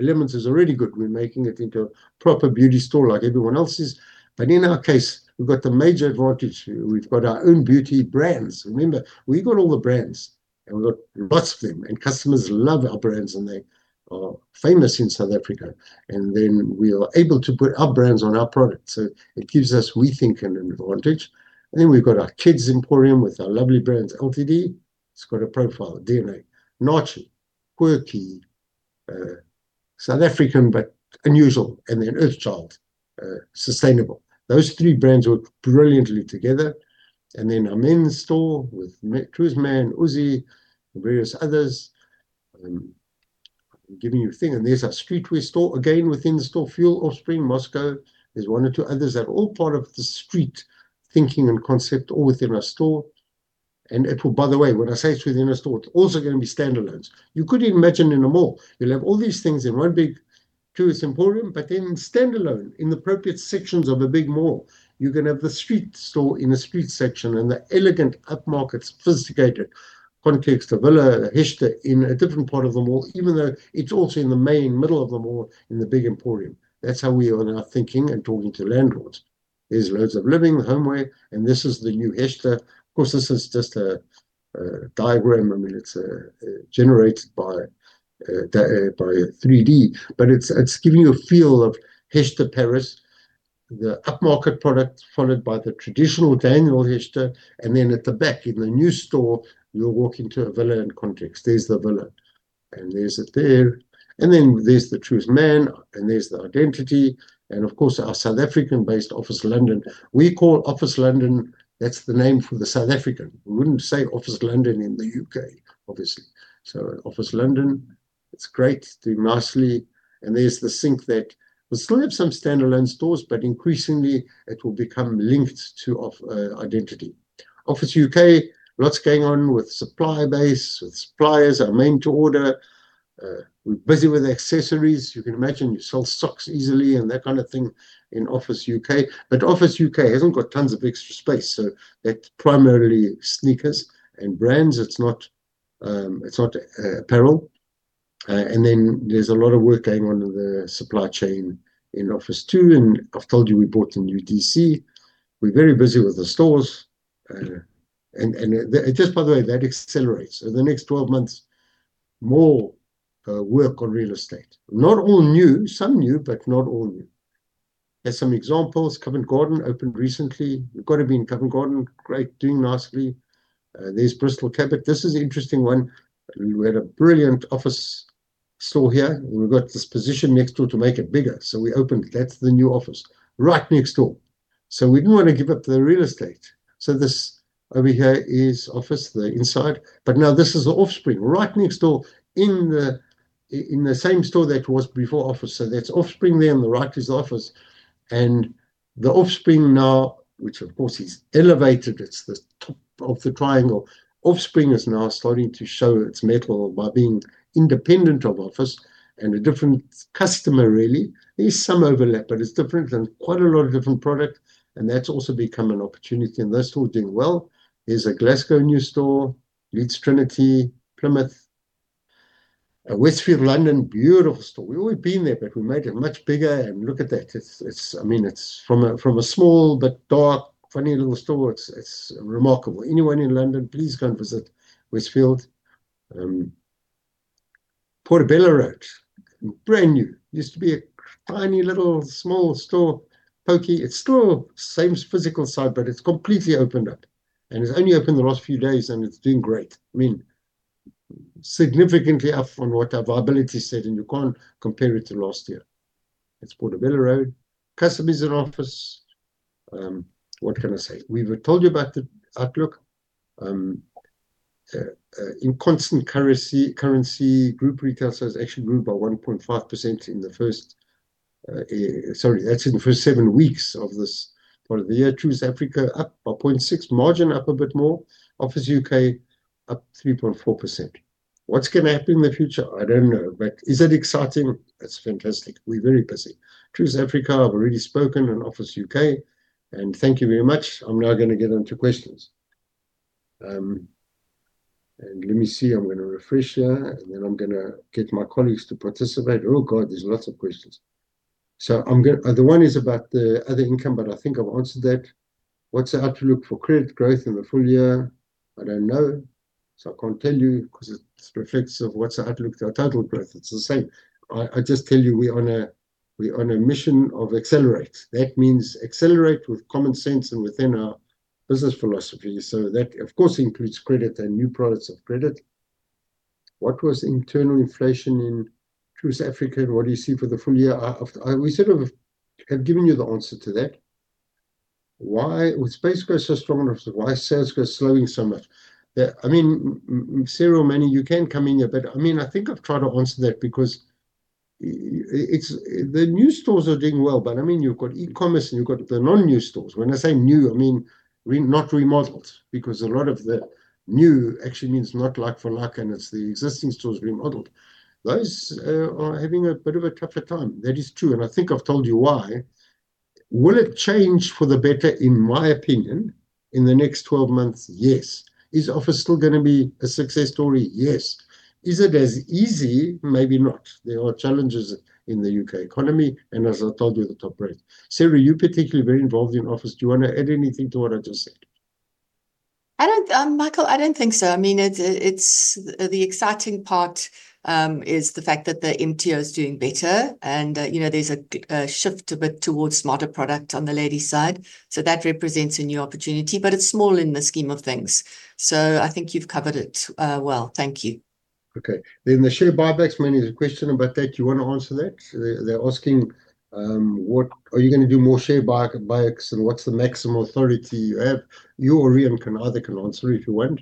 Elements is already good. We're making it into a proper beauty store like everyone else's. In our case, we've got the major advantage. We've got our own beauty brands. Remember, we've got all the brands, and we've got lots of them, and customers love our brands, and they are famous in South Africa. We are able to put our brands on our products, so it gives us, we think, an advantage. We've got our Kids' Emporium with our lovely brands, LTD. It's got a profile, DNA, naughty, quirky, South African, but unusual, and then Earthchild, sustainable. Those three brands work brilliantly together. Our men's store with Truworths Man, Uzzi, and various others. Giving you a thing, there's our streetwear store, again, within the store, Fuel, Offspring, Moscow. There's one or two others that are all part of the street thinking and concept all within our store. By the way, when I say it's within a store, it's also gonna be standalones. You could imagine in a mall, you'll have all these things in one big Truworths Emporium, but then in standalone, in appropriate sections of a big mall, you're gonna have the street store in a street section and the elegant, upmarket, sophisticated context, The Villa, Daniel Hechter, in a different part of the mall, even though it's also in the main middle of the mall, in the big emporium. That's how we are now thinking and talking to landlords. There's Loads of Living, Homeware, and this is the new Daniel Hechter. Of course, this is just a diagram. I mean, it's generated by the by a 3D, but it's giving you a feel of Hechter Paris, the upmarket product, followed by the traditional Daniel Hechter. Then at the back, in the new store, you'll walk into The Villa in context. There's The Villa, and there's it there. Then there's the Trueworths Man, and there's the Identity, and of course, our South African-based Office London. We call Office London, that's the name for the South African. We wouldn't say Office London in the U.K., obviously. Office London, it's great, doing nicely. There's the Sync. We still have some standalone stores, but increasingly it will become linked to Identity. Office U.K, lots going on with supplier base, with suppliers are made to order. We're busy with accessories. You can imagine you sell socks easily and that kind of thing in Office U.K. Office U.K. hasn't got tons of extra space, so that's primarily sneakers and brands. It's not, it's not apparel. There's a lot of work going on in the supply chain in Office too, and I've told you, we bought a new DC. We're very busy with the stores. And just by the way, that accelerates. The next 12 months, more work on real estate. Not all new. Some new, but not all new. There's some examples. Covent Garden opened recently. We've got to be in Covent Garden. Great, doing nicely. There's Bristol Cabot. This is an interesting one. We had a brilliant Office store here, and we got this position next door to make it bigger, so we opened. That's the new Office right next door. We didn't want to give up the real estate. This over here is Office, the inside, but now this is the Offspring right next door in the same store that was before Office. That's Offspring there, on the right is Office, and the Offspring now, which of course is elevated, it's the top of the triangle. Offspring is now starting to show its metal by being independent of Office and a different customer, really. There's some overlap, but it's different and quite a lot of different product, and that's also become an opportunity, and that store is doing well. There's a Glasgow new store, Leeds Trinity, Plymouth, Westfield, London. Beautiful store. We've always been there, but we made it much bigger. Look at that, it's. I mean, it's from a, from a small but dark, funny little store. It's, it's remarkable. Anyone in London, please come visit Westfield. Portobello Road, brand new. Used to be a tiny, little, small store. Poky. It's still same physical size, but it's completely opened up, and it's only opened the last few days, and it's doing great. I mean, significantly up from what our viability said, and you can't compare it to last year. It's Portobello Road. Customer visit Office. What can I say? We've told you about the outlook. In constant currency, group retail sales actually grew by 1.5% in the first. Sorry, that's in the first seven weeks of this part of the year. Truworths Africa, up by 0.6%. Margin, up a bit more. Office U.K., up 3.4%. What's gonna happen in the future? I don't know, but is it exciting? It's fantastic. We're very busy. Truworths Africa, I've already spoken, and Office U.K. Thank you very much. I'm now gonna get onto questions. Let me see. I'm gonna refresh here, and then I'm gonna get my colleagues to participate. Oh, God, there's lots of questions. The one is about the other income, but I think I've answered that. What's the outlook for credit growth in the full year? I don't know. I can't tell you because it reflects of what's the outlook for our total growth. It's the same. I just tell you, we're on a mission of accelerate. That means accelerate with common sense and within our business philosophy. That, of course, includes credit and new products of credit. What was internal inflation in Truworths Africa, and what do you see for the full year? We sort of have given you the answer to that. Why was Space growth so strong and Office? Why sales go slowing so much? I mean, Sarah or Manny, you can come in here, but, I mean, I think I've tried to answer that because it's the new stores are doing well, but, I mean, you've got e-commerce, and you've got the non-new stores. When I say new, I mean not remodeled, because a lot of the new actually means not like for like, and it's the existing stores remodeled. Those are having a bit of a tougher time. That is true, and I think I've told you why. Will it change for the better? In my opinion, in the next 12 months, yes. Is Office still gonna be a success story? Yes. Is it as easy? Maybe not. There are challenges in the U.K. economy, and as I told you, the top brand. Sarah, you're particularly very involved in Office. Do you want to add anything to what I just said? I don't, Michael, I don't think so. I mean, it's. The exciting part is the fact that the MTO is doing better and, you know, there's a shift a bit towards smarter product on the lady side, so that represents a new opportunity, but it's small in the scheme of things. I think you've covered it well. Thank you. The share buybacks, Manny, there's a question about that. Do you want to answer that? They're asking, what are you gonna do more share buybacks, and what's the maximum authority you have? You or Ian can either answer if you want.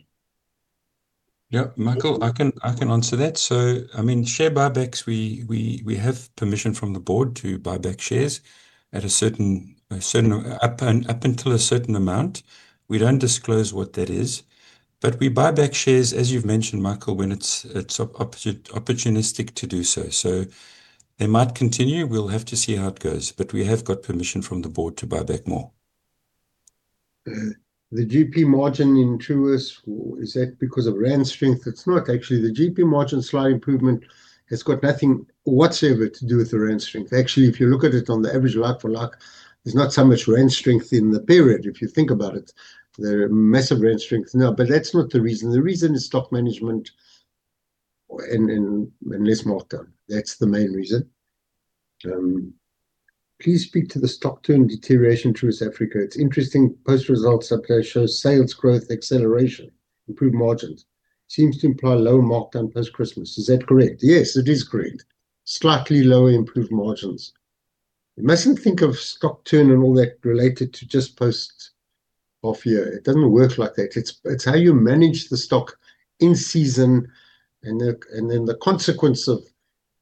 Michael, I can answer that. I mean, share buybacks, we have permission from the board to buy back shares at a certain amount. We don't disclose what that is, but we buy back shares, as you've mentioned, Michael, when it's opportunistic to do so. They might continue. We'll have to see how it goes, but we have got permission from the board to buy back more. The GP margin in Truworths, is that because of rand strength? It's not actually. The GP margin slight improvement has got nothing whatsoever to do with the rand strength. If you look at it on the average, like for like, there's not so much rand strength in the period. If you think about it, there are massive rand strength. That's not the reason. The reason is stock management and less markdown. That's the main reason. Please speak to the stock turn deterioration Truworths Africa. It's interesting, post results up there shows sales growth, acceleration, improved margins. Seems to imply lower markdown post-Christmas. Is that correct? Yes, it is correct. Slightly lower improved margins. You mustn't think of stock turn and all that related to just post-half year. It doesn't work like that. It's how you manage the stock in season and then the consequence of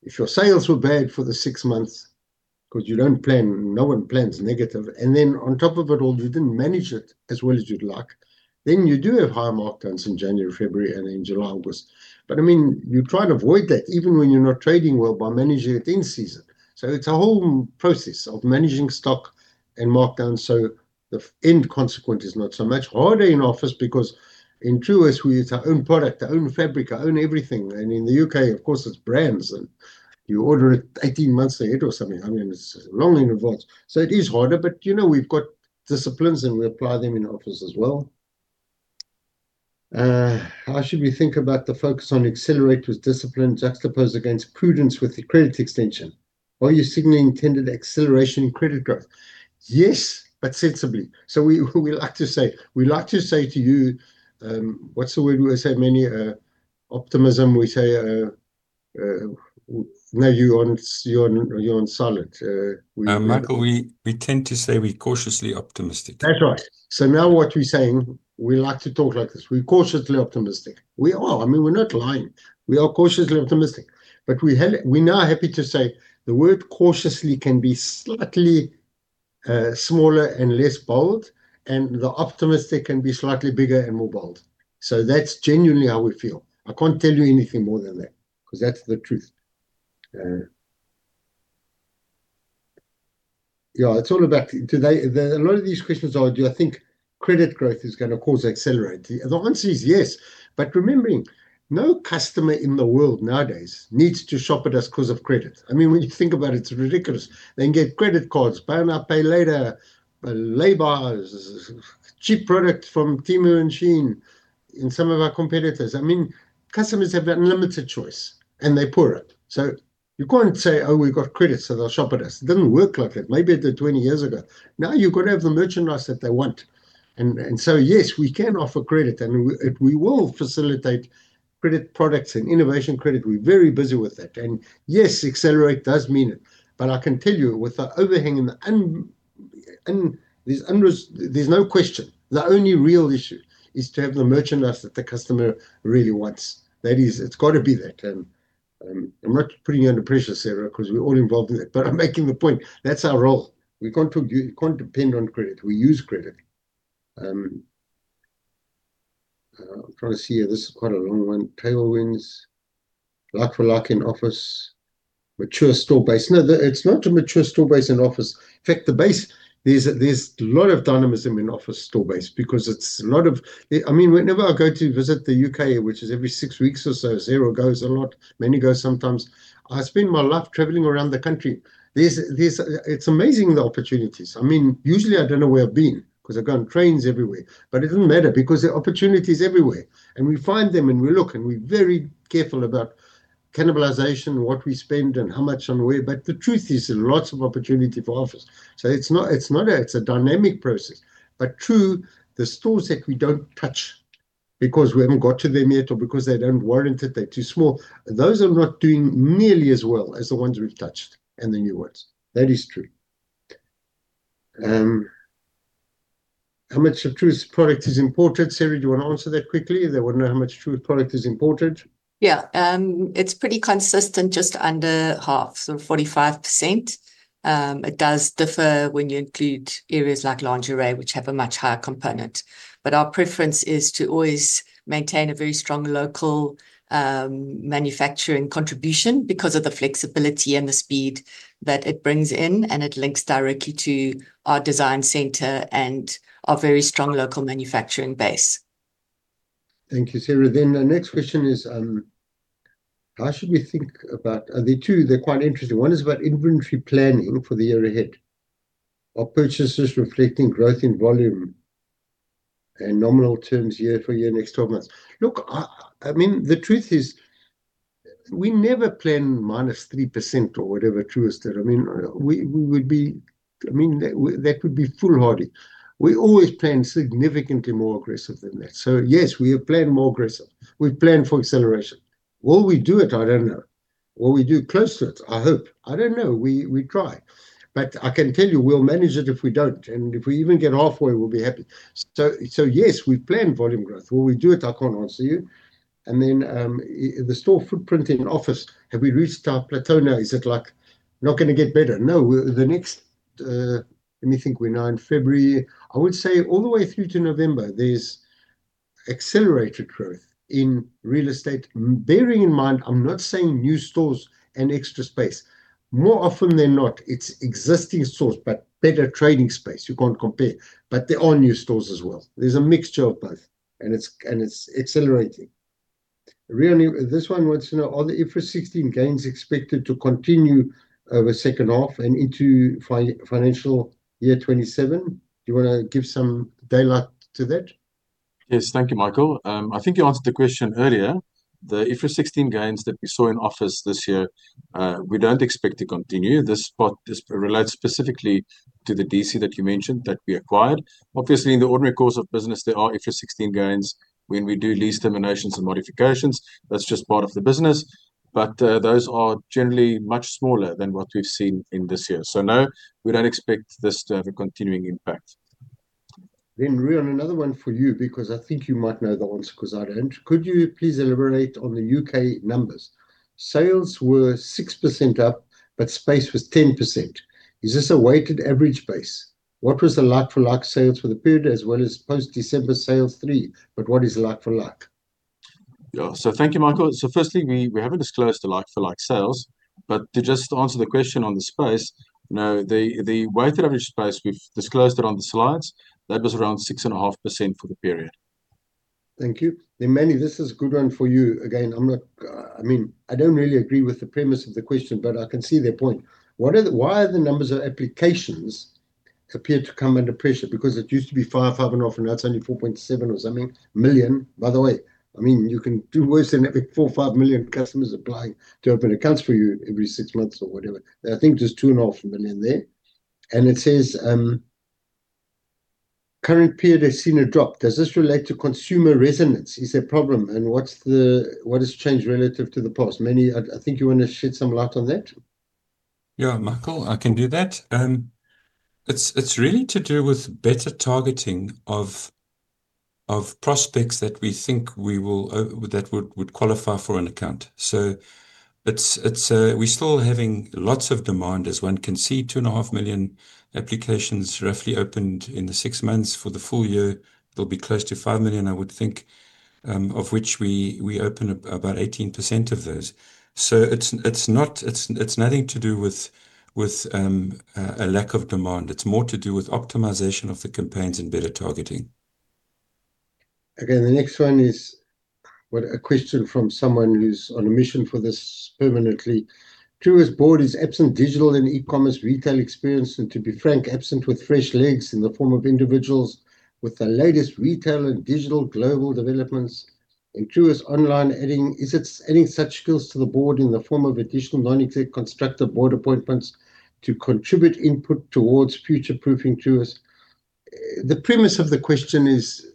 if your sales were bad for the six months, because you don't plan. No one plans negative. On top of it all, you didn't manage it as well as you'd like, then you do have higher markdowns in January, February, and in July, August. I mean, you try to avoid that even when you're not trading well by managing it in season. It's a whole process of managing stock and markdown, so the end consequence is not so much harder in Office because in Truworths, we use our own product, our own fabric, our own everything, and in the U.K., of course, it's brands, and you order it 18 months ahead or something. I mean, it's long in advance, so it is harder, but, you know, we've got disciplines, and we apply them in Office as well. How should we think about the focus on accelerate with discipline juxtaposed against prudence with the credit extension? Are you signaling intended acceleration in credit growth? Yes, but sensibly. We like to say to you, what's the word we say, Manny? Optimism, we say, no, you're on solid. Michael, we tend to say we're cautiously optimistic. That's right. Now what we're saying, we like to talk like this, we're cautiously optimistic. We are. I mean, we're not lying. We are cautiously optimistic, but we're now happy to say the word cautiously can be slightly smaller and less bold, and the optimistic can be slightly bigger and more bold. That's genuinely how we feel. I can't tell you anything more than that, 'cause that's the truth. Yeah, it's all about today... There are a lot of these questions I do. I think credit growth is gonna cause accelerate, and the answer is yes. Remembering, no customer in the world nowadays needs to shop with us because of credit. I mean, when you think about it's ridiculous. They can get credit cards, Buy Now, Pay Later, Lay-bys, cheap products from Temu and Shein and some of our competitors. I mean, customers have unlimited choice, and they pour it. You can't say, "Oh, we've got credit, so they'll shop with us." It doesn't work like that. Maybe it did 20 years ago. Now, you've got to have the merchandise that they want. Yes, we can offer credit, and we will facilitate credit products and innovation credit. We're very busy with that. Yes, accelerate does mean it, but I can tell you with the overhang and there's no question. The only real issue is to have the merchandise that the customer really wants. It's got to be that. I'm not putting you under pressure, Sarah, 'cause we're all involved in it, but I'm making the point. That's our role. We can't depend on credit. We use credit. I'm trying to see here. This is quite a long one. Tailwinds, like for like in Office, mature store base. No, it's not a mature store base in Office. In fact, the base, there's a lot of dynamism in Office store base because it's a lot of... I mean, whenever I go to visit the U.K., which is every six weeks or so, Sarah goes a lot, Manny goes sometimes. I spend my life traveling around the country. It's amazing, the opportunities. I mean, usually, I don't know where I've been because I've gone trains everywhere. It doesn't matter because there are opportunities everywhere, and we find them, and we look, and we're very careful about cannibalization and what we spend and how much and where, but the truth is, there are lots of opportunity for Office. It's not, it's a dynamic process, Tru, the stores that we don't touch because we haven't got to them yet or because they don't warrant it, they're too small, those are not doing nearly as well as the ones we've touched and the new ones. That is true. How much of Truworths product is imported? Sarah, do you want to answer that quickly? They want to know how much Truworths product is imported. Yeah. It's pretty consistent, just under half, so 45%. It does differ when you include areas like lingerie, which have a much higher component. Our preference is to always maintain a very strong local manufacturing contribution because of the flexibility and the speed that it brings in, and it links directly to our design center and our very strong local manufacturing base. Thank you, Sarah. The next question is: There are two, they're quite interesting. One is about inventory planning for the year ahead. Are purchases reflecting growth in volume and nominal terms year-over-year, next 12 months? Look, I mean, the truth is, we never plan -3% or whatever Truworths did. I mean, we would be. I mean, that would be foolhardy. We always plan significantly more aggressive than that. Yes, we have planned more aggressive. We've planned for acceleration. Will we do it? I don't know. Will we do close to it? I hope. I don't know. We try. I can tell you, we'll manage it if we don't, and if we even get halfway, we'll be happy. Yes, we plan volume growth. Will we do it? I can't answer you. The store footprint in Office, have we reached our plateau now? Is it, like, not gonna get better? No. We're now in February. I would say all the way through to November, there's accelerated growth in real estate. Bearing in mind, I'm not saying new stores and extra space. More often than not, it's existing stores, but better trading space. You can't compare, but there are new stores as well. There's a mixture of both, and it's accelerating. Reon, this one wants to know, are the IFRS 16 gains expected to continue over second half and into financial year 2027? Do you wanna give some daylight to that? Yes, thank you, Michael. I think you answered the question earlier. The IFRS 16 gains that we saw in Office this year, we don't expect to continue. This part, this relates specifically to the D.C. That you mentioned, that we acquired. Obviously, in the ordinary course of business, there are IFRS 16 gains when we do lease terminations and modifications. That's just part of the business. Those are generally much smaller than what we've seen in this year. No, we don't expect this to have a continuing impact. Reon, another one for you because I think you might know the answer, 'cause I don't. Could you please elaborate on the U.K. numbers? Sales were 6% up, space was 10%. Is this a weighted average base? What was the like-for-like sales for the period, as well as post-December sales three, what is like-for-like? Yeah. Thank you, Michael. Firstly, we haven't disclosed the like-for-like sales, but to just answer the question on the space, no, the weighted average space, we've disclosed it on the slides, that was around 6.5% for the period. Thank you. Manny, this is a good one for you. Again, I mean, I don't really agree with the premise of the question, but I can see their point. Why are the numbers of applications appear to come under pressure? Because it used to be 5.5, and now it's only 4.7 million. By the way, I mean, you can do worse than having four million or five million customers applying to open accounts for you every six months or whatever. I think there's 2.5 million there. And it says, current period has seen a drop. Does this relate to consumer resonance? Is there a problem, and what has changed relative to the past? Manny, I think you want to shed some light on that? Yeah, Michael, I can do that. It's really to do with better targeting of prospects that we think we will that would qualify for an account. It's, we're still having lots of demand, as one can see, 2.5 million applications roughly opened in the six months. For the full year, there'll be close to five million, I would think, of which we open about 18% of those. It's not. It's nothing to do with a lack of demand. It's more to do with optimization of the campaigns and better targeting. The next one is, well, a question from someone who's on a mission for this permanently. Truworths' board is absent digital and e-commerce retail experience, and to be frank, absent with fresh legs in the form of individuals with the latest retail and digital global developments. Truworths online adding, is it adding such skills to the board in the form of additional non-exec constructive board appointments to contribute input towards future-proofing Truworths? The premise of the question is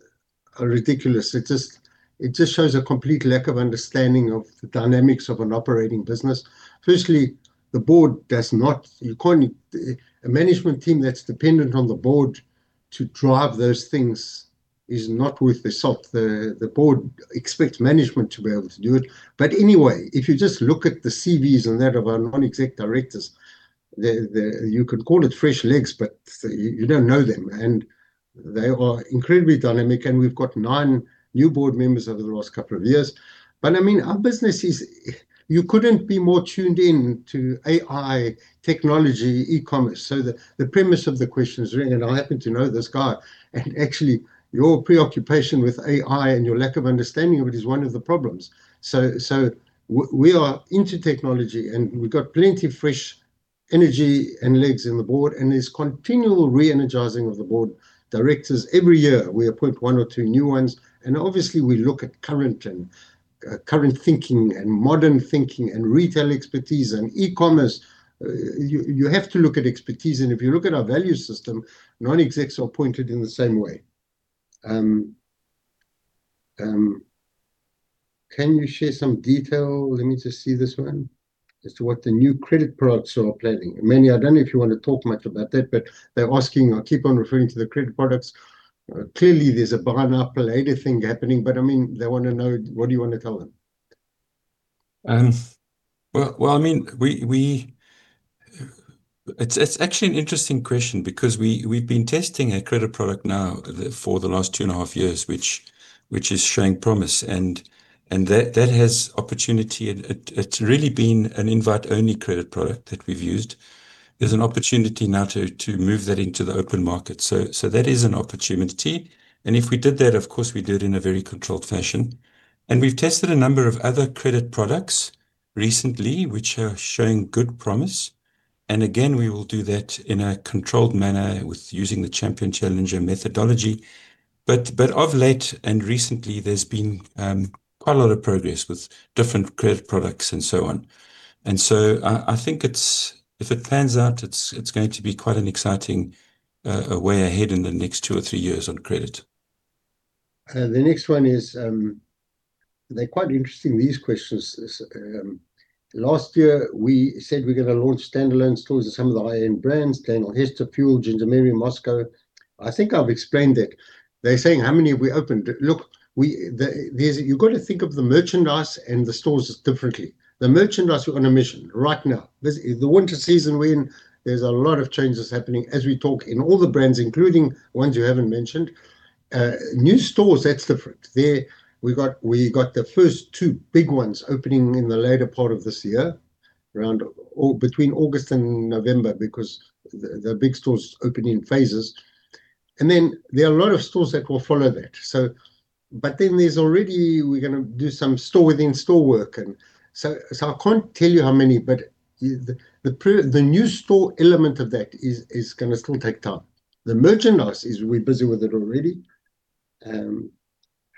ridiculous. It just shows a complete lack of understanding of the dynamics of an operating business. Firstly, you can't, a management team that's dependent on the board to drive those things is not worth the salt. The board expects management to be able to do it. Anyway, if you just look at the CVs and that of our non-exec directors, the, you could call it fresh legs, but you don't know them, and they are incredibly dynamic, and we've got nine new board members over the last couple of years. I mean, our business is. You couldn't be more tuned in to AI, technology, e-commerce. The premise of the question is really, and I happen to know this guy, and actually, your preoccupation with AI and your lack of understanding of it is one of the problems. We are into technology, and we've got plenty of fresh energy and legs in the board, and there's continual re-energizing of the board directors. Every year, we appoint one or two new ones, and obviously, we look at current and current thinking and modern thinking and retail expertise and e-commerce. You, you have to look at expertise, and if you look at our value system, non-execs are appointed in the same way. Can you share some detail, let me just see this one, as to what the new credit products are planning? Manny, I don't know if you want to talk much about that, but they're asking. I'll keep on referring to the credit products. Clearly, there's a Buy Now, Pay Later thing happening, but I mean, they wanna know, what do you want to tell them? Well, I mean, it's actually an interesting question because we've been testing a credit product now for the last 2 1/2 years, which is showing promise, and that has opportunity, and it's really been an invite-only credit product that we've used. There's an opportunity now to move that into the open market. That is an opportunity, and if we did that, of course, we'd do it in a very controlled fashion. We've tested a number of other credit products recently, which are showing good promise, and again, we will do that in a controlled manner with using the champion-challenger methodology. Of late and recently, there's been quite a lot of progress with different credit products and so on. I think if it pans out, it's going to be quite an exciting way ahead in the next two or three years on credit. The next one is, they're quite interesting, these questions. This, last year, we said we're gonna launch standalone stores with some of the high-end brands, Daniel Hechter, Fuel, Ginger Mary, Moskow. I think I've explained that. They're saying, "How many have we opened?" Look, we, you've got to think of the merchandise and the stores differently. The merchandise we're on a mission right now. This, the winter season, when there's a lot of changes happening, as we talk, in all the brands, including ones you haven't mentioned. New stores, that's different. There we've got, we got the first two big ones opening in the later part of this year, around between August and November, because the big stores open in phases. Then there are a lot of stores that will follow that. There's already we're gonna do some store-within-store work, and so I can't tell you how many, but the new store element of that is gonna still take time. The merchandise is, we're busy with it already.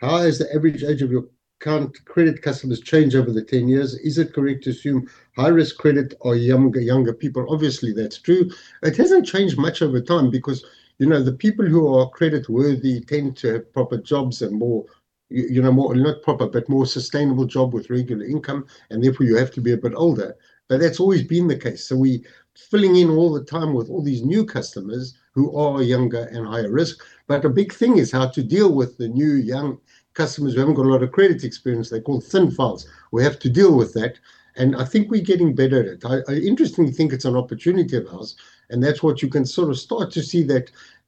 "How has the average age of your current credit customers changed over the 10 years? Is it correct to assume high-risk credit are younger people?" Obviously, that's true. It hasn't changed much over time because, you know, the people who are creditworthy tend to have proper jobs and more, you know, more, not proper, but more sustainable job with regular income, and therefore you have to be a bit older. That's always been the case. We filling in all the time with all these new customers who are younger and higher risk. A big thing is how to deal with the new young customers who haven't got a lot of credit experience. They're called thin files. We have to deal with that, and I think we're getting better at it. I interestingly think it's an opportunity of ours, and that's what you can sort of start to see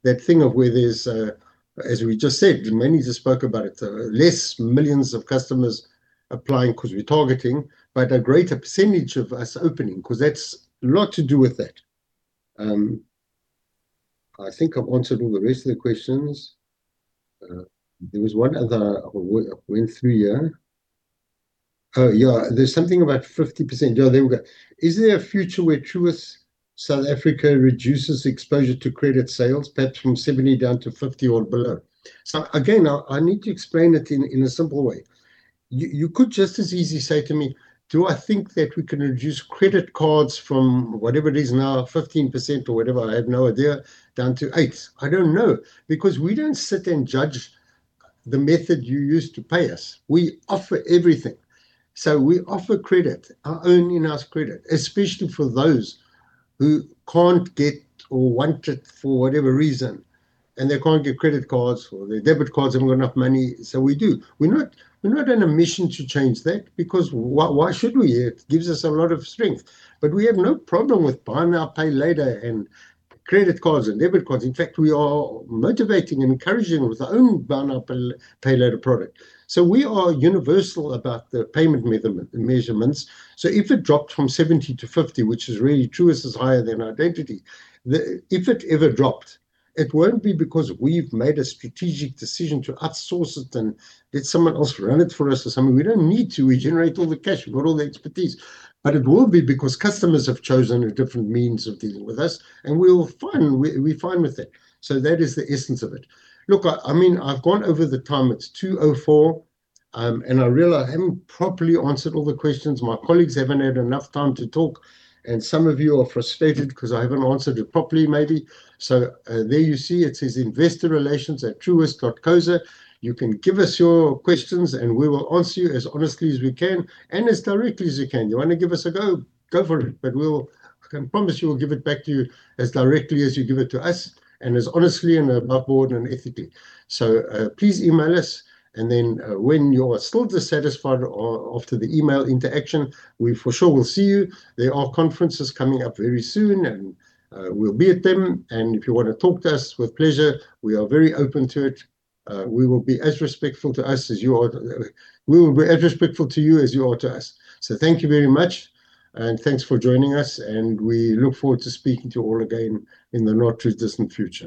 that thing of where there's, as we just said, Manny just spoke about it, less millions of customers applying 'cause we're targeting, but a greater percentage of us opening, 'cause that's a lot to do with that. I think I've answered all the rest of the questions. There was one other. I went through here. Oh, yeah, there's something about 50%. Yeah, there we go. Is there a future where Truworths South Africa reduces exposure to credit sales, perhaps from 70 down to 50 or below? Again, I need to explain it in a simple way. You could just as easily say to me, do I think that we can reduce credit cards from whatever it is now, 15% or whatever, I have no idea, down to 8? I don't know, because we don't sit and judge the method you use to pay us. We offer everything. We offer credit, our own in-house credit, especially for those who can't get or want it for whatever reason, and they can't get credit cards, or their debit cards haven't got enough money. We do. We're not on a mission to change that because why should we? It gives us a lot of strength. We have no problem with Buy Now, Pay Later, and credit cards and debit cards. In fact, we are motivating and encouraging with our own Buy Now, Pay Later product. We are universal about the payment measurements. If it dropped from 70% to 50%, which is really, Truworths is higher than our Identity, the, If it ever dropped, it won't be because we've made a strategic decision to outsource it and let someone else run it for us or something. We don't need to. We generate all the cash. We've got all the expertise. It will be because customers have chosen a different means of dealing with us, and we're fine. We're fine with that. That is the essence of it. Look, I mean, I've gone over the time. It's 2:04. I realize I haven't properly answered all the questions. My colleagues haven't had enough time to talk. Some of you are frustrated 'cause I haven't answered it properly, maybe. There you see it says InvestorRelations@truworths.co.za. You can give us your questions. We will answer you as honestly as we can and as directly as we can. You want to give us a go for it. We'll I can promise you we'll give it back to you as directly as you give it to us and as honestly and above board and ethically. Please email us. Then, when you're still dissatisfied after the email interaction, we for sure will see you. There are conferences coming up very soon. We'll be at them. If you want to talk to us, with pleasure, we are very open to it. We will be as respectful to us as you are. We will be as respectful to you as you are to us. Thank you very much, and thanks for joining us, and we look forward to speaking to you all again in the not too distant future.